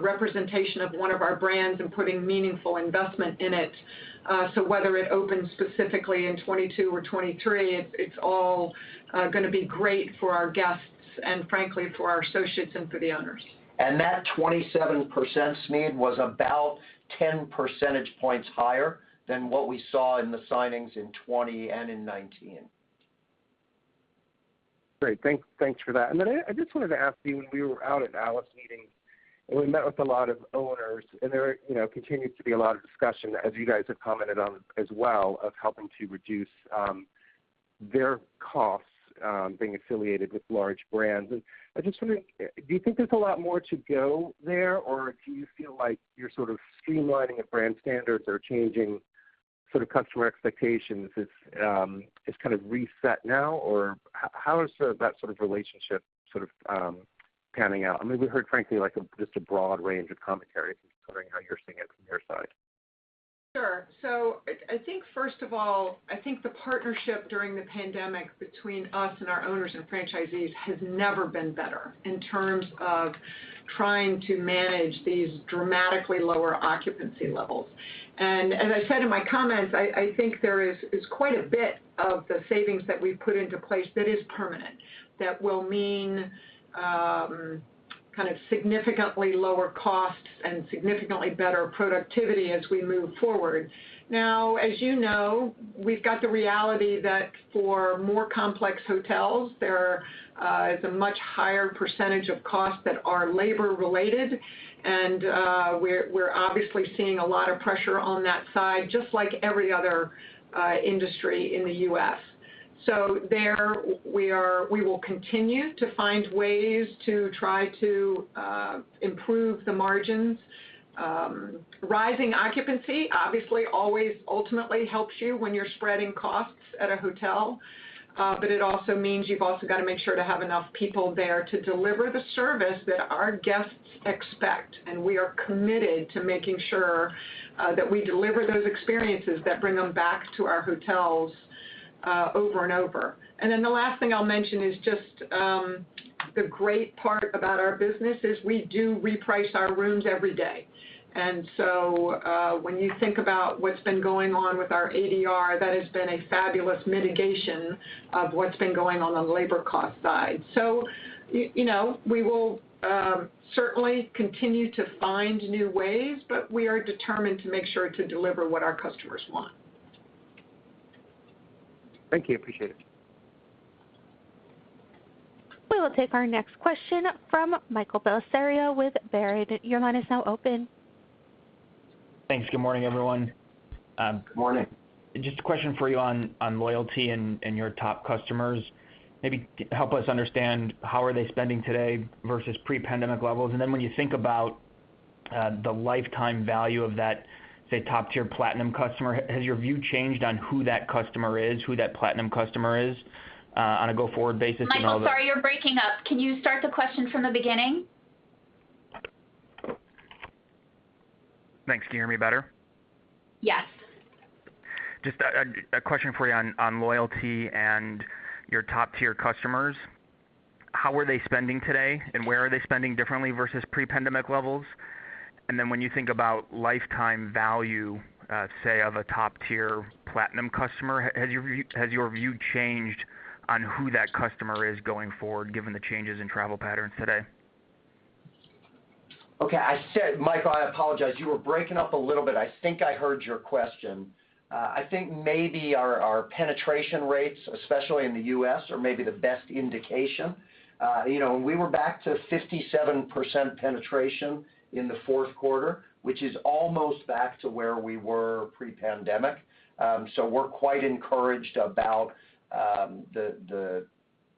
representation of one of our brands and putting meaningful investment in it. Whether it opens specifically in 2022 or 2023, it's all gonna be great for our guests and frankly for our associates and for the owners. That 27%, Smedes, was about 10 percentage points higher than what we saw in the signings in 2020 and in 2019. Great. Thanks for that. Then I just wanted to ask you, when we were out at ALIS meetings, and we met with a lot of owners, and there you know continues to be a lot of discussion, as you guys have commented on as well, of helping to reduce their costs being affiliated with large brands. I'm just wondering, do you think there's a lot more to go there? Or do you feel like you're sort of streamlining the brand standards or changing sort of customer expectations is kind of reset now? Or how is sort of that sort of relationship sort of panning out? I mean, we heard frankly like just a broad range of commentary. I'm just wondering how you're seeing it from your side. Sure. I think first of all, I think the partnership during the pandemic between us and our owners and franchisees has never been better in terms of trying to manage these dramatically lower occupancy levels. As I said in my comments, I think there is quite a bit of the savings that we've put into place that is permanent, that will mean kind of significantly lower costs and significantly better productivity as we move forward. Now, as you know, we've got the reality that for more complex hotels, there is a much higher percentage of costs that are labor-related. We're obviously seeing a lot of pressure on that side, just like every other industry in the U.S. We will continue to find ways to try to improve the margins. Rising occupancy obviously always ultimately helps you when you're spreading costs at a hotel. But it also means you've also got to make sure to have enough people there to deliver the service that our guests expect, and we are committed to making sure that we deliver those experiences that bring them back to our hotels over and over. The last thing I'll mention is just the great part about our business is we do reprice our rooms every day. When you think about what's been going on with our ADR, that has been a fabulous mitigation of what's been going on the labor cost side. You know, we will certainly continue to find new ways, but we are determined to make sure to deliver what our customers want. Thank you. Appreciate it. We will take our next question from Michael Bellisario with Baird. Your line is now open. Thanks. Good morning, everyone. Good morning. Just a question for you on loyalty and your top customers. Maybe help us understand how they are spending today versus pre-pandemic levels. When you think about the lifetime value of that, say, top-tier platinum customer, has your view changed on who that platinum customer is on a go-forward basis and all the- Michael, sorry, you're breaking up. Can you start the question from the beginning? Thanks. Can you hear me better? Yes. Just a question for you on loyalty and your top-tier customers. How are they spending today, and where are they spending differently versus pre-pandemic levels? When you think about lifetime value, say of a top-tier platinum customer, has your view changed on who that customer is going forward, given the changes in travel patterns today? Michael, I apologize. You were breaking up a little bit. I think I heard your question. I think maybe our penetration rates, especially in the U.S., are maybe the best indication. You know, we were back to 57% penetration in the fourth quarter, which is almost back to where we were pre-pandemic. We're quite encouraged about the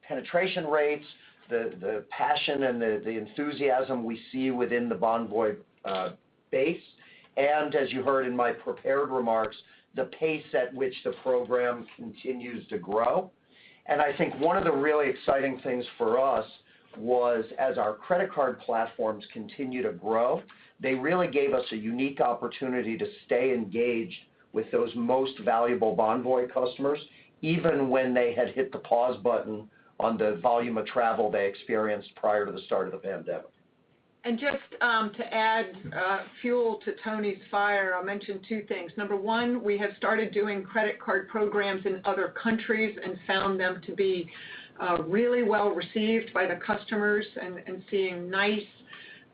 penetration rates, the passion, and the enthusiasm we see within the Bonvoy base. As you heard in my prepared remarks, the pace at which the program continues to grow. I think one of the really exciting things for us was as our credit card platforms continue to grow, they really gave us a unique opportunity to stay engaged with those most valuable Bonvoy customers, even when they had hit the pause button on the volume of travel they experienced prior to the start of the pandemic. Just to add fuel to Tony's fire, I'll mention two things. Number one, we have started doing credit card programs in other countries and found them to be really well received by the customers, and seeing nice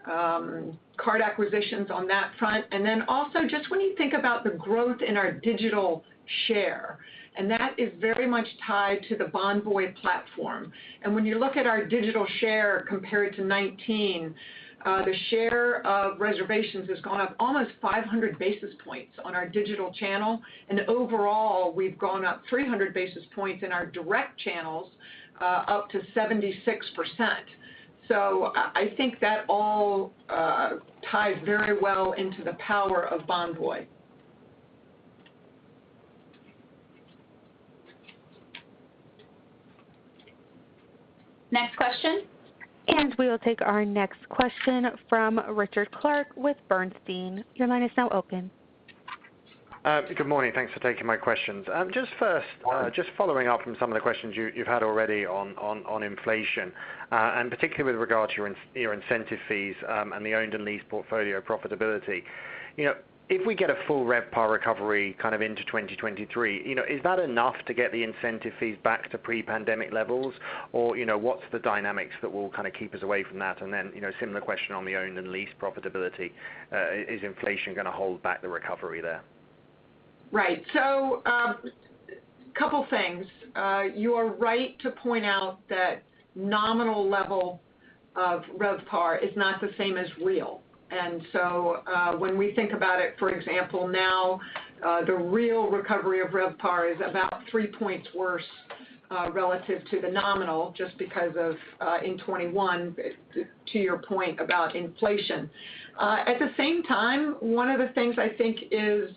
card acquisitions on that front. Then also just when you think about the growth in our digital share, and that is very much tied to the Bonvoy platform. When you look at our digital share compared to 2019, the share of reservations has gone up almost 500 basis points on our digital channel. Overall, we've gone up 300 basis points in our direct channels, up to 76%. I think that all ties very well into the power of Bonvoy. Next question. We will take our next question from Richard Clarke with Bernstein. Your line is now open. Good morning. Thanks for taking my questions. Just first, just following up from some of the questions you've had already on inflation, and particularly with regard to your incentive fees, and the owned and leased portfolio profitability. You know, if we get a full RevPAR recovery kind of into 2023, you know, is that enough to get the incentive fees back to pre-pandemic levels? Or, you know, what's the dynamics that will kind of keep us away from that? You know, a similar question on the owned and leased profitability, is inflation gonna hold back the recovery there? Right. Couple things. You are right to point out that nominal level of RevPAR is not the same as real. When we think about it, for example, now, the real recovery of RevPAR is about 3 points worse, relative to the nominal just because of, in 2021, to your point about inflation. At the same time, one of the things I think is,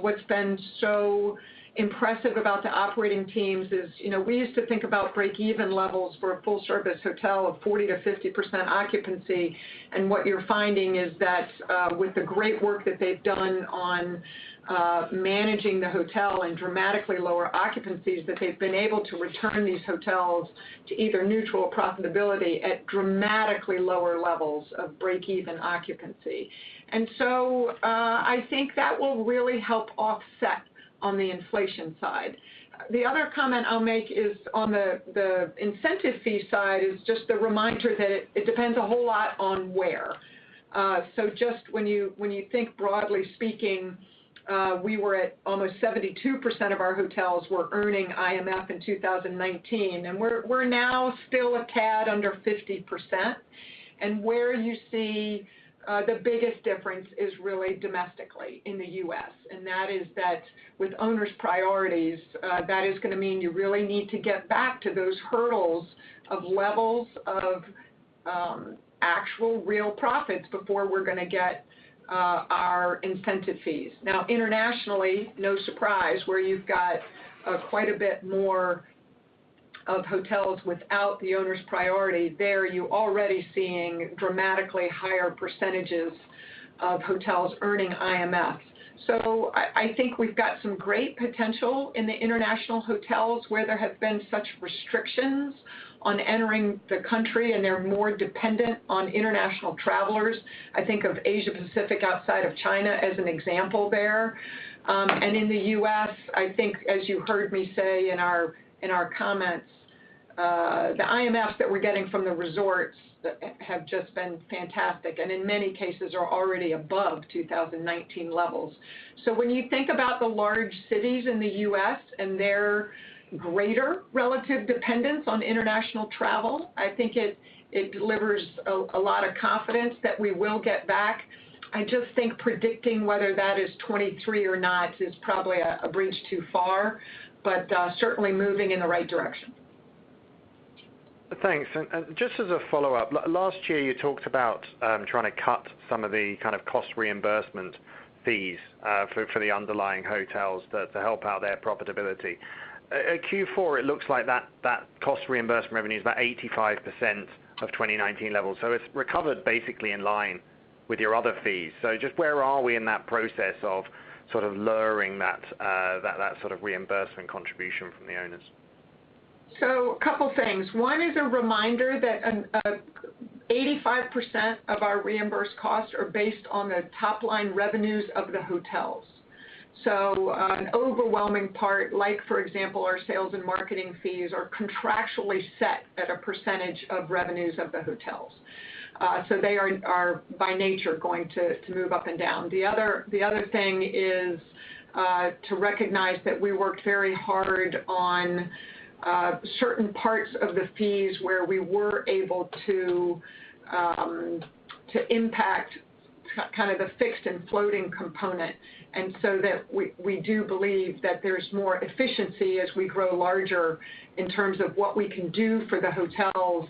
what's been so impressive about the operating teams is, you know, we used to think about breakeven levels for a full service hotel of 40%-50% occupancy. What you're finding is that, with the great work that they've done on, managing the hotel in dramatically lower occupancies, that they've been able to return these hotels to either neutral profitability at dramatically lower levels of breakeven occupancy. I think that will really help offset on the inflation side. The other comment I'll make is on the incentive fee side is just the reminder that it depends a whole lot on where. Just when you think broadly speaking, we were at almost 72% of our hotels were earning IMF in 2019, and we're now still a tad under 50%. Where you see the biggest difference is really domestically in the U.S., and that is that with owners' priorities, that is gonna mean you really need to get back to those hurdles of levels of actual real profits before we're gonna get our incentive fees. Now, internationally, no surprise where you've got quite a bit more of hotels without the owners' priority. They're already seeing dramatically higher percentages of hotels earning IMF. I think we've got some great potential in the international hotels where there have been such restrictions on entering the country, and they're more dependent on international travelers. I think of Asia-Pacific outside of China as an example there. In the U.S., I think as you heard me say in our comments, the IMFs that we're getting from the resorts have just been fantastic, and in many cases are already above 2019 levels. When you think about the large cities in the U.S. and their greater relative dependence on international travel, I think it delivers a lot of confidence that we will get back. I just think predicting whether that is 2023 or not is probably a bridge too far, but certainly moving in the right direction. Thanks. Just as a follow-up, last year you talked about trying to cut some of the kind of cost reimbursement fees for the underlying hotels to help out their profitability. At Q4, it looks like that cost reimbursement revenue is about 85% of 2019 levels. It's recovered basically in line with your other fees. Just where are we in that process of sort of lowering that sort of reimbursement contribution from the owners? Couple things. One is a reminder that 85% of our reimbursed costs are based on the top-line revenues of the hotels. An overwhelming part, like for example, our sales and marketing fees are contractually set at a percentage of revenues of the hotels. They are by nature going to move up and down. The other thing is to recognize that we worked very hard on certain parts of the fees where we were able to impact kind of the fixed and floating component. That we do believe that there's more efficiency as we grow larger in terms of what we can do for the hotels.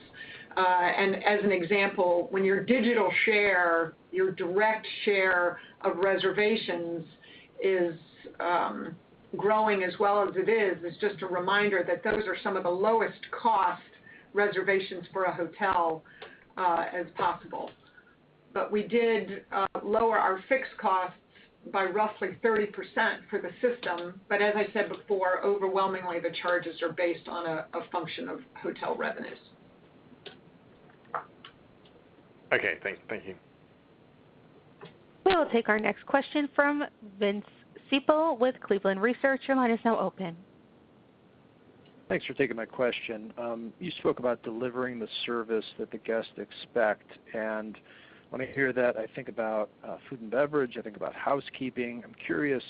As an example, when your digital share, your direct share of reservations is growing as well as it is, it's just a reminder that those are some of the lowest cost reservations for a hotel as possible. We did lower our fixed costs by roughly 30% for the system. As I said before, overwhelmingly, the charges are based on a function of hotel revenues. Okay. Thank you. We'll take our next question from Vince Ciepiel with Cleveland Research. Your line is now open. Thanks for taking my question. You spoke about delivering the service that the guests expect. When I hear that, I think about Food and Beverage, I think about housekeeping. I'm curious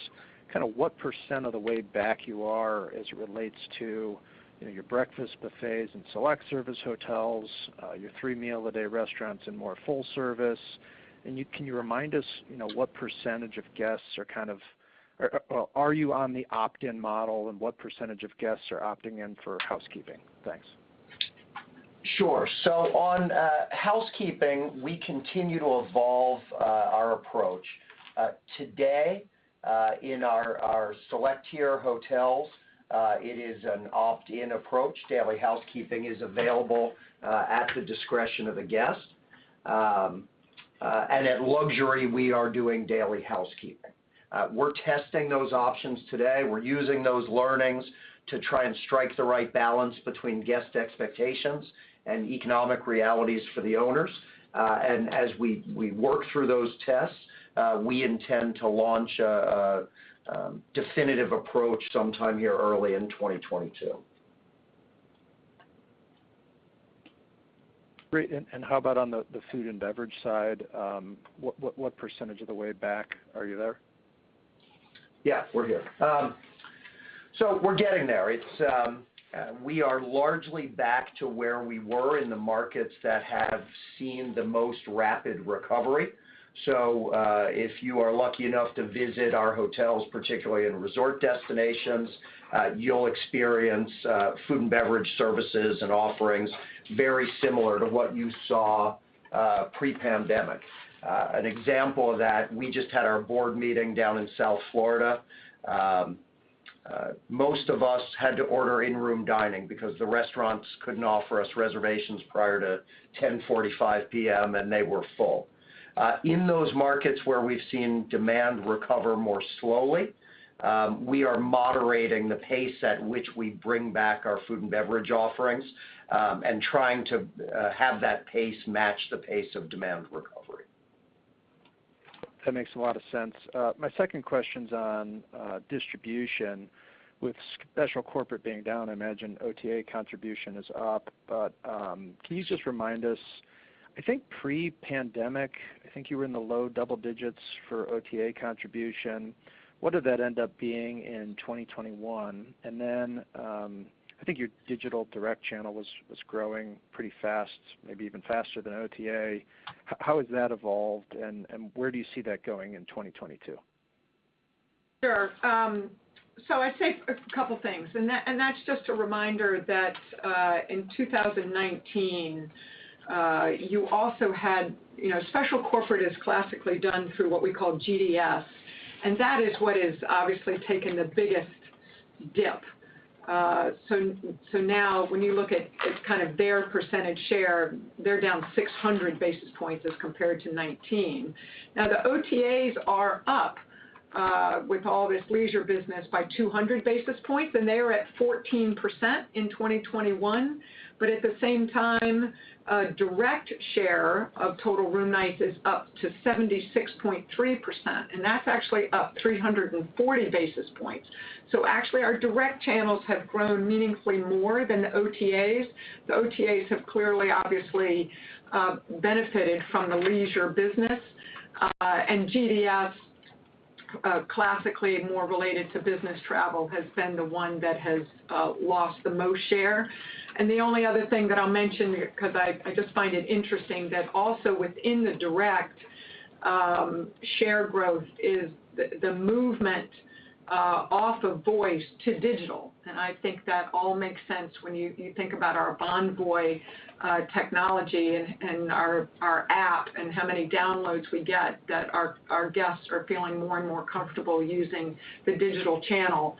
kinda what percent of the way back you are as it relates to, you know, your breakfast buffets and select service hotels, your three meal a day restaurants and more full service. Can you remind us, you know, what percentage of guests are, or are you on the opt-in model, and what percentage of guests are opting in for housekeeping? Thanks. Sure. On housekeeping, we continue to evolve our approach. Today, in our select tier hotels, it is an opt-in approach. Daily housekeeping is available at the discretion of the guest. At luxury, we are doing daily housekeeping. We're testing those options today. We're using those learnings to try and strike the right balance between guest expectations and economic realities for the owners. As we work through those tests, we intend to launch a definitive approach sometime here early in 2022. Great. How about on the Food and Beverage side? What percentage of the way back are you there? Yeah, we're here. We're getting there. We are largely back to where we were in the markets that have seen the most rapid recovery. If you are lucky enough to visit our hotels, particularly in resort destinations, you'll experience Food and Beverage services and offerings very similar to what you saw pre-pandemic. An example of that, we just had our Board meeting down in South Florida. Most of us had to order in-room dining because the restaurants couldn't offer us reservations prior to 10:45 P.M., and they were full. In those markets where we've seen demand recover more slowly, we are moderating the pace at which we bring back our Food and Beverage offerings, and trying to have that pace match the pace of demand recovery. That makes a lot of sense. My second question's on distribution. With special corporate being down, I imagine OTA contribution is up. Can you just remind us? I think pre-pandemic, I think you were in the low double digits for OTA contribution. What did that end up being in 2021? Then I think your digital direct channel was growing pretty fast, maybe even faster than OTA. How has that evolved, and where do you see that going in 2022? Sure. I'd say a couple things. That's just a reminder that in 2019, you also had, you know, special corporate is classically done through what we call GDS, and that is what is obviously taken the biggest dip. Now when you look at it's kind of their percentage share, they're down 600 basis points as compared to 2019. The OTAs are up with all this leisure business by 200 basis points, and they are at 14% in 2021. At the same time, direct share of total room nights is up to 76.3%, and that's actually up 340 basis points. Actually, our direct channels have grown meaningfully more than the OTAs. The OTAs have clearly, obviously, benefited from the leisure business. GDS, classically more related to business travel, has been the one that has lost the most share. The only other thing that I'll mention here because I just find it interesting that also within the direct share growth is the movement off of voice to digital. I think that all makes sense when you think about our Bonvoy technology and our app and how many downloads we get that our guests are feeling more and more comfortable using the digital channel,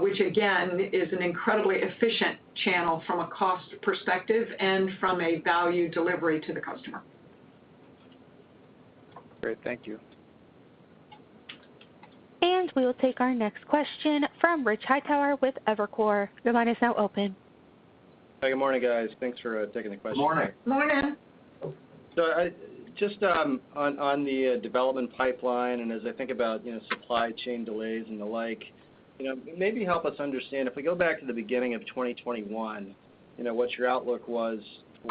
which again is an incredibly efficient channel from a cost perspective and from a value delivery to the customer. Great. Thank you. We'll take our next question from Rich Hightower with Evercore. Your line is now open. Hi, good morning, guys. Thanks for taking the question. Morning. Morning. Just on the development pipeline, and as I think about, you know, supply chain delays and the like, you know, maybe help us understand, if we go back to the beginning of 2021, you know, what your outlook was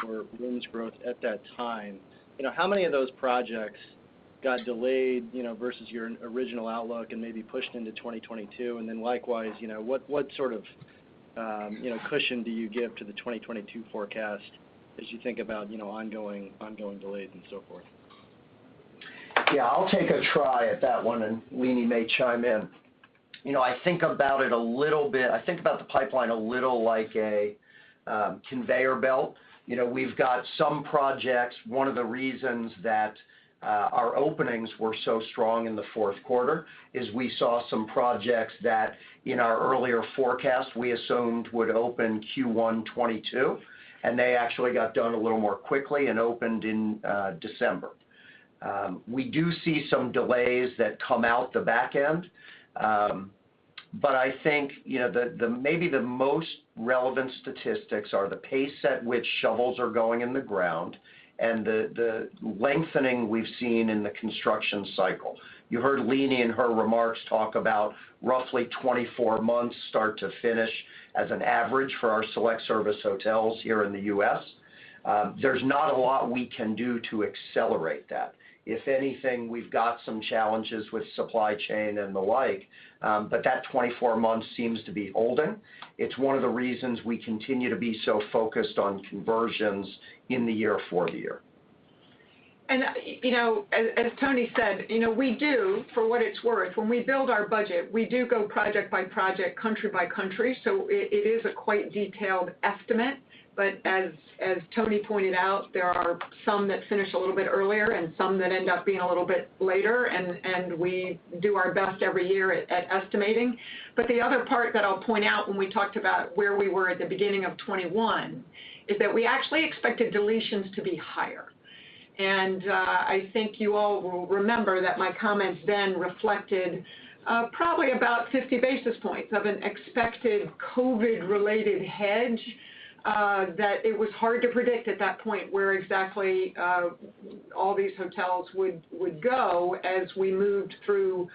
for rooms growth at that time. You know, how many of those projects got delayed, you know, versus your original outlook and maybe pushed into 2022? Then likewise, you know, what sort of, you know, cushion do you give to the 2022 forecast as you think about, you know, ongoing delays and so forth? Yeah. I'll take a try at that one, and Leeny may chime in. You know, I think about the pipeline a little like a conveyor belt. You know, we've got some projects. One of the reasons that our openings were so strong in the fourth quarter is we saw some projects that in our earlier forecast we assumed would open Q1 2022, and they actually got done a little more quickly and opened in December. We do see some delays that come out the back end. I think, you know, the maybe the most relevant statistics are the pace at which shovels are going in the ground and the lengthening we've seen in the construction cycle. You heard Leeny in her remarks talk about roughly 24 months start to finish as an average for our select service hotels here in the U.S. There's not a lot we can do to accelerate that. If anything, we've got some challenges with supply chain and the like, but that 24 months seems to be holding. It's one of the reasons we continue to be so focused on conversions in the year for the year. You know, as Tony said, you know, we do, for what it's worth, when we build our budget, we do go project by project, country by country. It is a quite detailed estimate. As Tony pointed out, there are some that finish a little bit earlier and some that end up being a little bit later, and we do our best every year at estimating. The other part that I'll point out when we talked about where we were at the beginning of 2021 is that we actually expected deletions to be higher. I think you all will remember that my comments then reflected probably about 50 basis points of an expected COVID-related hedge that it was hard to predict at that point where exactly all these hotels would go as we moved through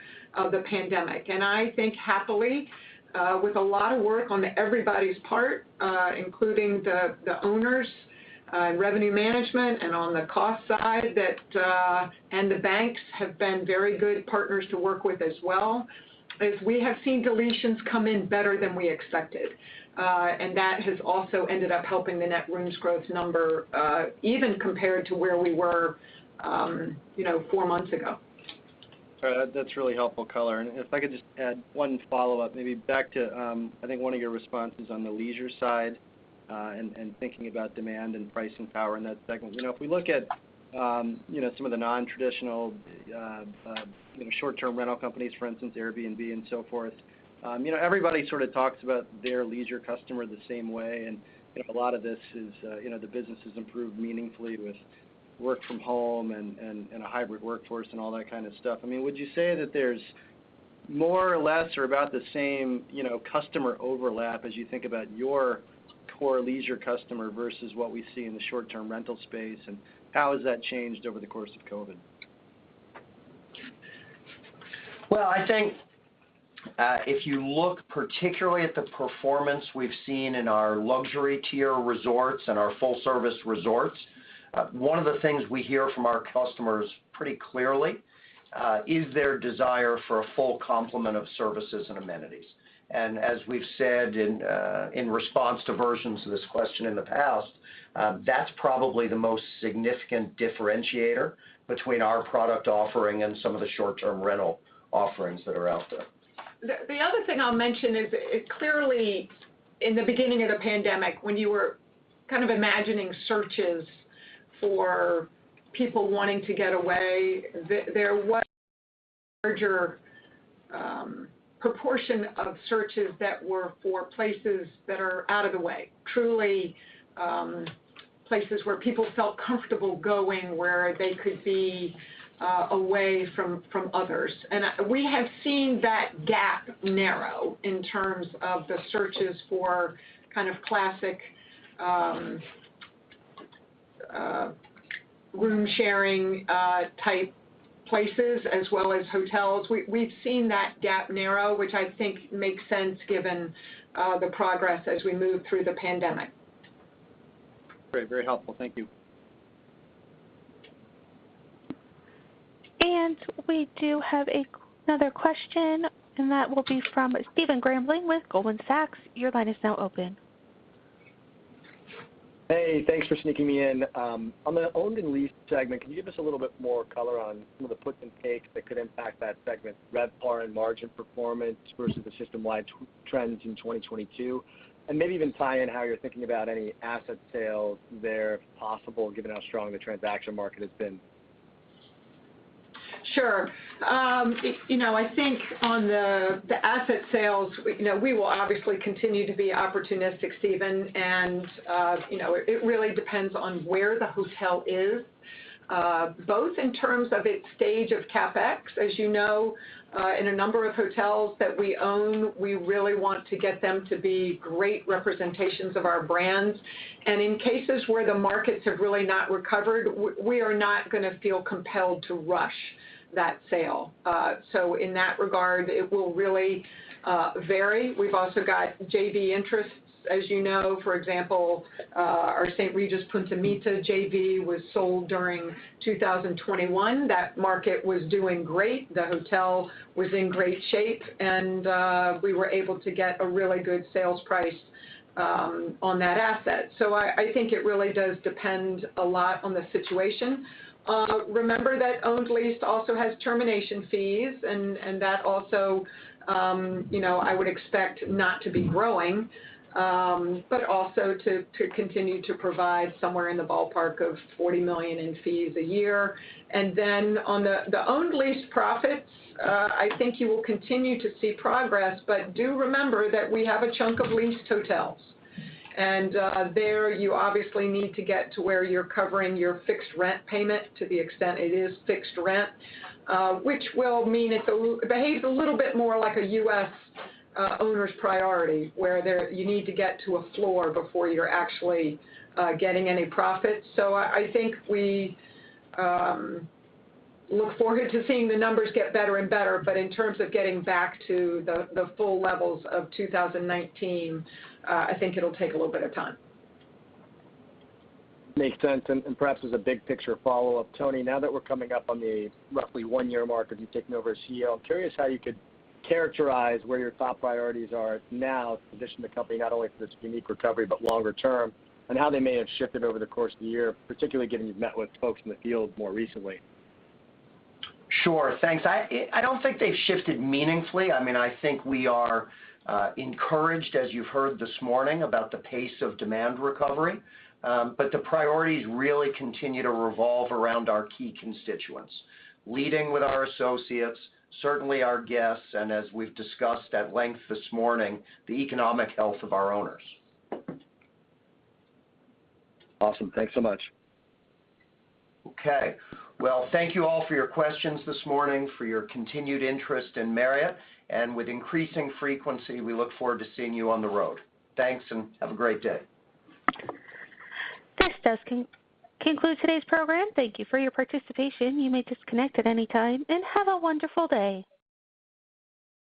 the pandemic. I think happily, with a lot of work on everybody's part, including the owners, revenue management, and on the cost side, and the banks have been very good partners to work with as well, we have seen deletions come in better than we expected. That has also ended up helping the net rooms growth number even compared to where we were, you know, four months ago. All right. That's really helpful color. If I could just add one follow-up, maybe back to, I think one of your responses on the leisure side, and thinking about demand and pricing power in that segment. You know, if we look at, you know, some of the non-traditional, you know, short-term rental companies, for instance, Airbnb and so forth, you know, everybody sort of talks about their leisure customer the same way. You know, a lot of this is, you know, the business has improved meaningfully with work from home and a hybrid workforce and all that kind of stuff. I mean, would you say that there's more or less or about the same, you know, customer overlap as you think about your core leisure customer versus what we see in the short-term rental space, and how has that changed over the course of COVID? Well, I think, if you look particularly at the performance we've seen in our luxury tier resorts and our full-service resorts, one of the things we hear from our customers pretty clearly, is their desire for a full complement of services and amenities. As we've said in response to versions of this question in the past, that's probably the most significant differentiator between our product offering and some of the short-term rental offerings that are out there. The other thing I'll mention is it was clear, in the beginning of the pandemic when you were kind of imagining searches for people wanting to get away, there was a larger proportion of searches that were for places that are out of the way, truly, places where people felt comfortable going where they could be away from others. We have seen that gap narrow in terms of the searches for kind of classic room-sharing type places as well as hotels. We've seen that gap narrow, which I think makes sense given the progress as we move through the pandemic. Great. Very helpful. Thank you. We do have another question, and that will be from Stephen Grambling with Goldman Sachs. Your line is now open. Hey, thanks for sneaking me in. On the owned and leased segment, can you give us a little bit more color on some of the puts and takes that could impact that segment, RevPAR and margin performance versus the system-wide trends in 2022? Maybe even tie in how you're thinking about any asset sales there, if possible, given how strong the transaction market has been. Sure. You know, I think on the asset sales, you know, we will obviously continue to be opportunistic, Stephen. You know, it really depends on where the hotel is, both in terms of its stage of CapEx. As you know, in a number of hotels that we own, we really want to get them to be great representations of our brands. And in cases where the markets have really not recovered, we are not gonna feel compelled to rush that sale. So in that regard, it will really vary. We've also got JV interests, as you know. For example, our St. Regis Punta Mita JV was sold during 2021. That market was doing great. The hotel was in great shape, and we were able to get a really good sales price on that asset. I think it really does depend a lot on the situation. Remember that owned lease also has termination fees, and that also I would expect not to be growing, but also to continue to provide somewhere in the ballpark of $40 million in fees a year. On the owned lease profits, I think you will continue to see progress, but do remember that we have a chunk of leased hotels. There you obviously need to get to where you're covering your fixed rent payment to the extent it is fixed rent, which will mean if it behaves a little bit more like a U.S. owner's priority, where there you need to get to a floor before you're actually getting any profit. I think we look forward to seeing the numbers get better and better. In terms of getting back to the full levels of 2019, I think it'll take a little bit of time. Makes sense. Perhaps as a big picture follow-up, Tony, now that we're coming up on the roughly one-year mark as you've taken over as CEO, I'm curious how you could characterize where your top priorities are now to position the company not only for this unique recovery, but longer term, and how they may have shifted over the course of the year, particularly given you've met with folks in the field more recently? Sure. Thanks. I don't think they've shifted meaningfully. I mean, I think we are encouraged, as you've heard this morning, about the pace of demand recovery. The priorities really continue to revolve around our key constituents. Leading with our associates, certainly our guests, and as we've discussed at length this morning, the economic health of our owners. Awesome. Thanks so much. Okay. Well, thank you all for your questions this morning, for your continued interest in Marriott, and with increasing frequency, we look forward to seeing you on the road. Thanks, and have a great day. This does conclude today's program. Thank you for your participation. You may disconnect at any time, and have a wonderful day.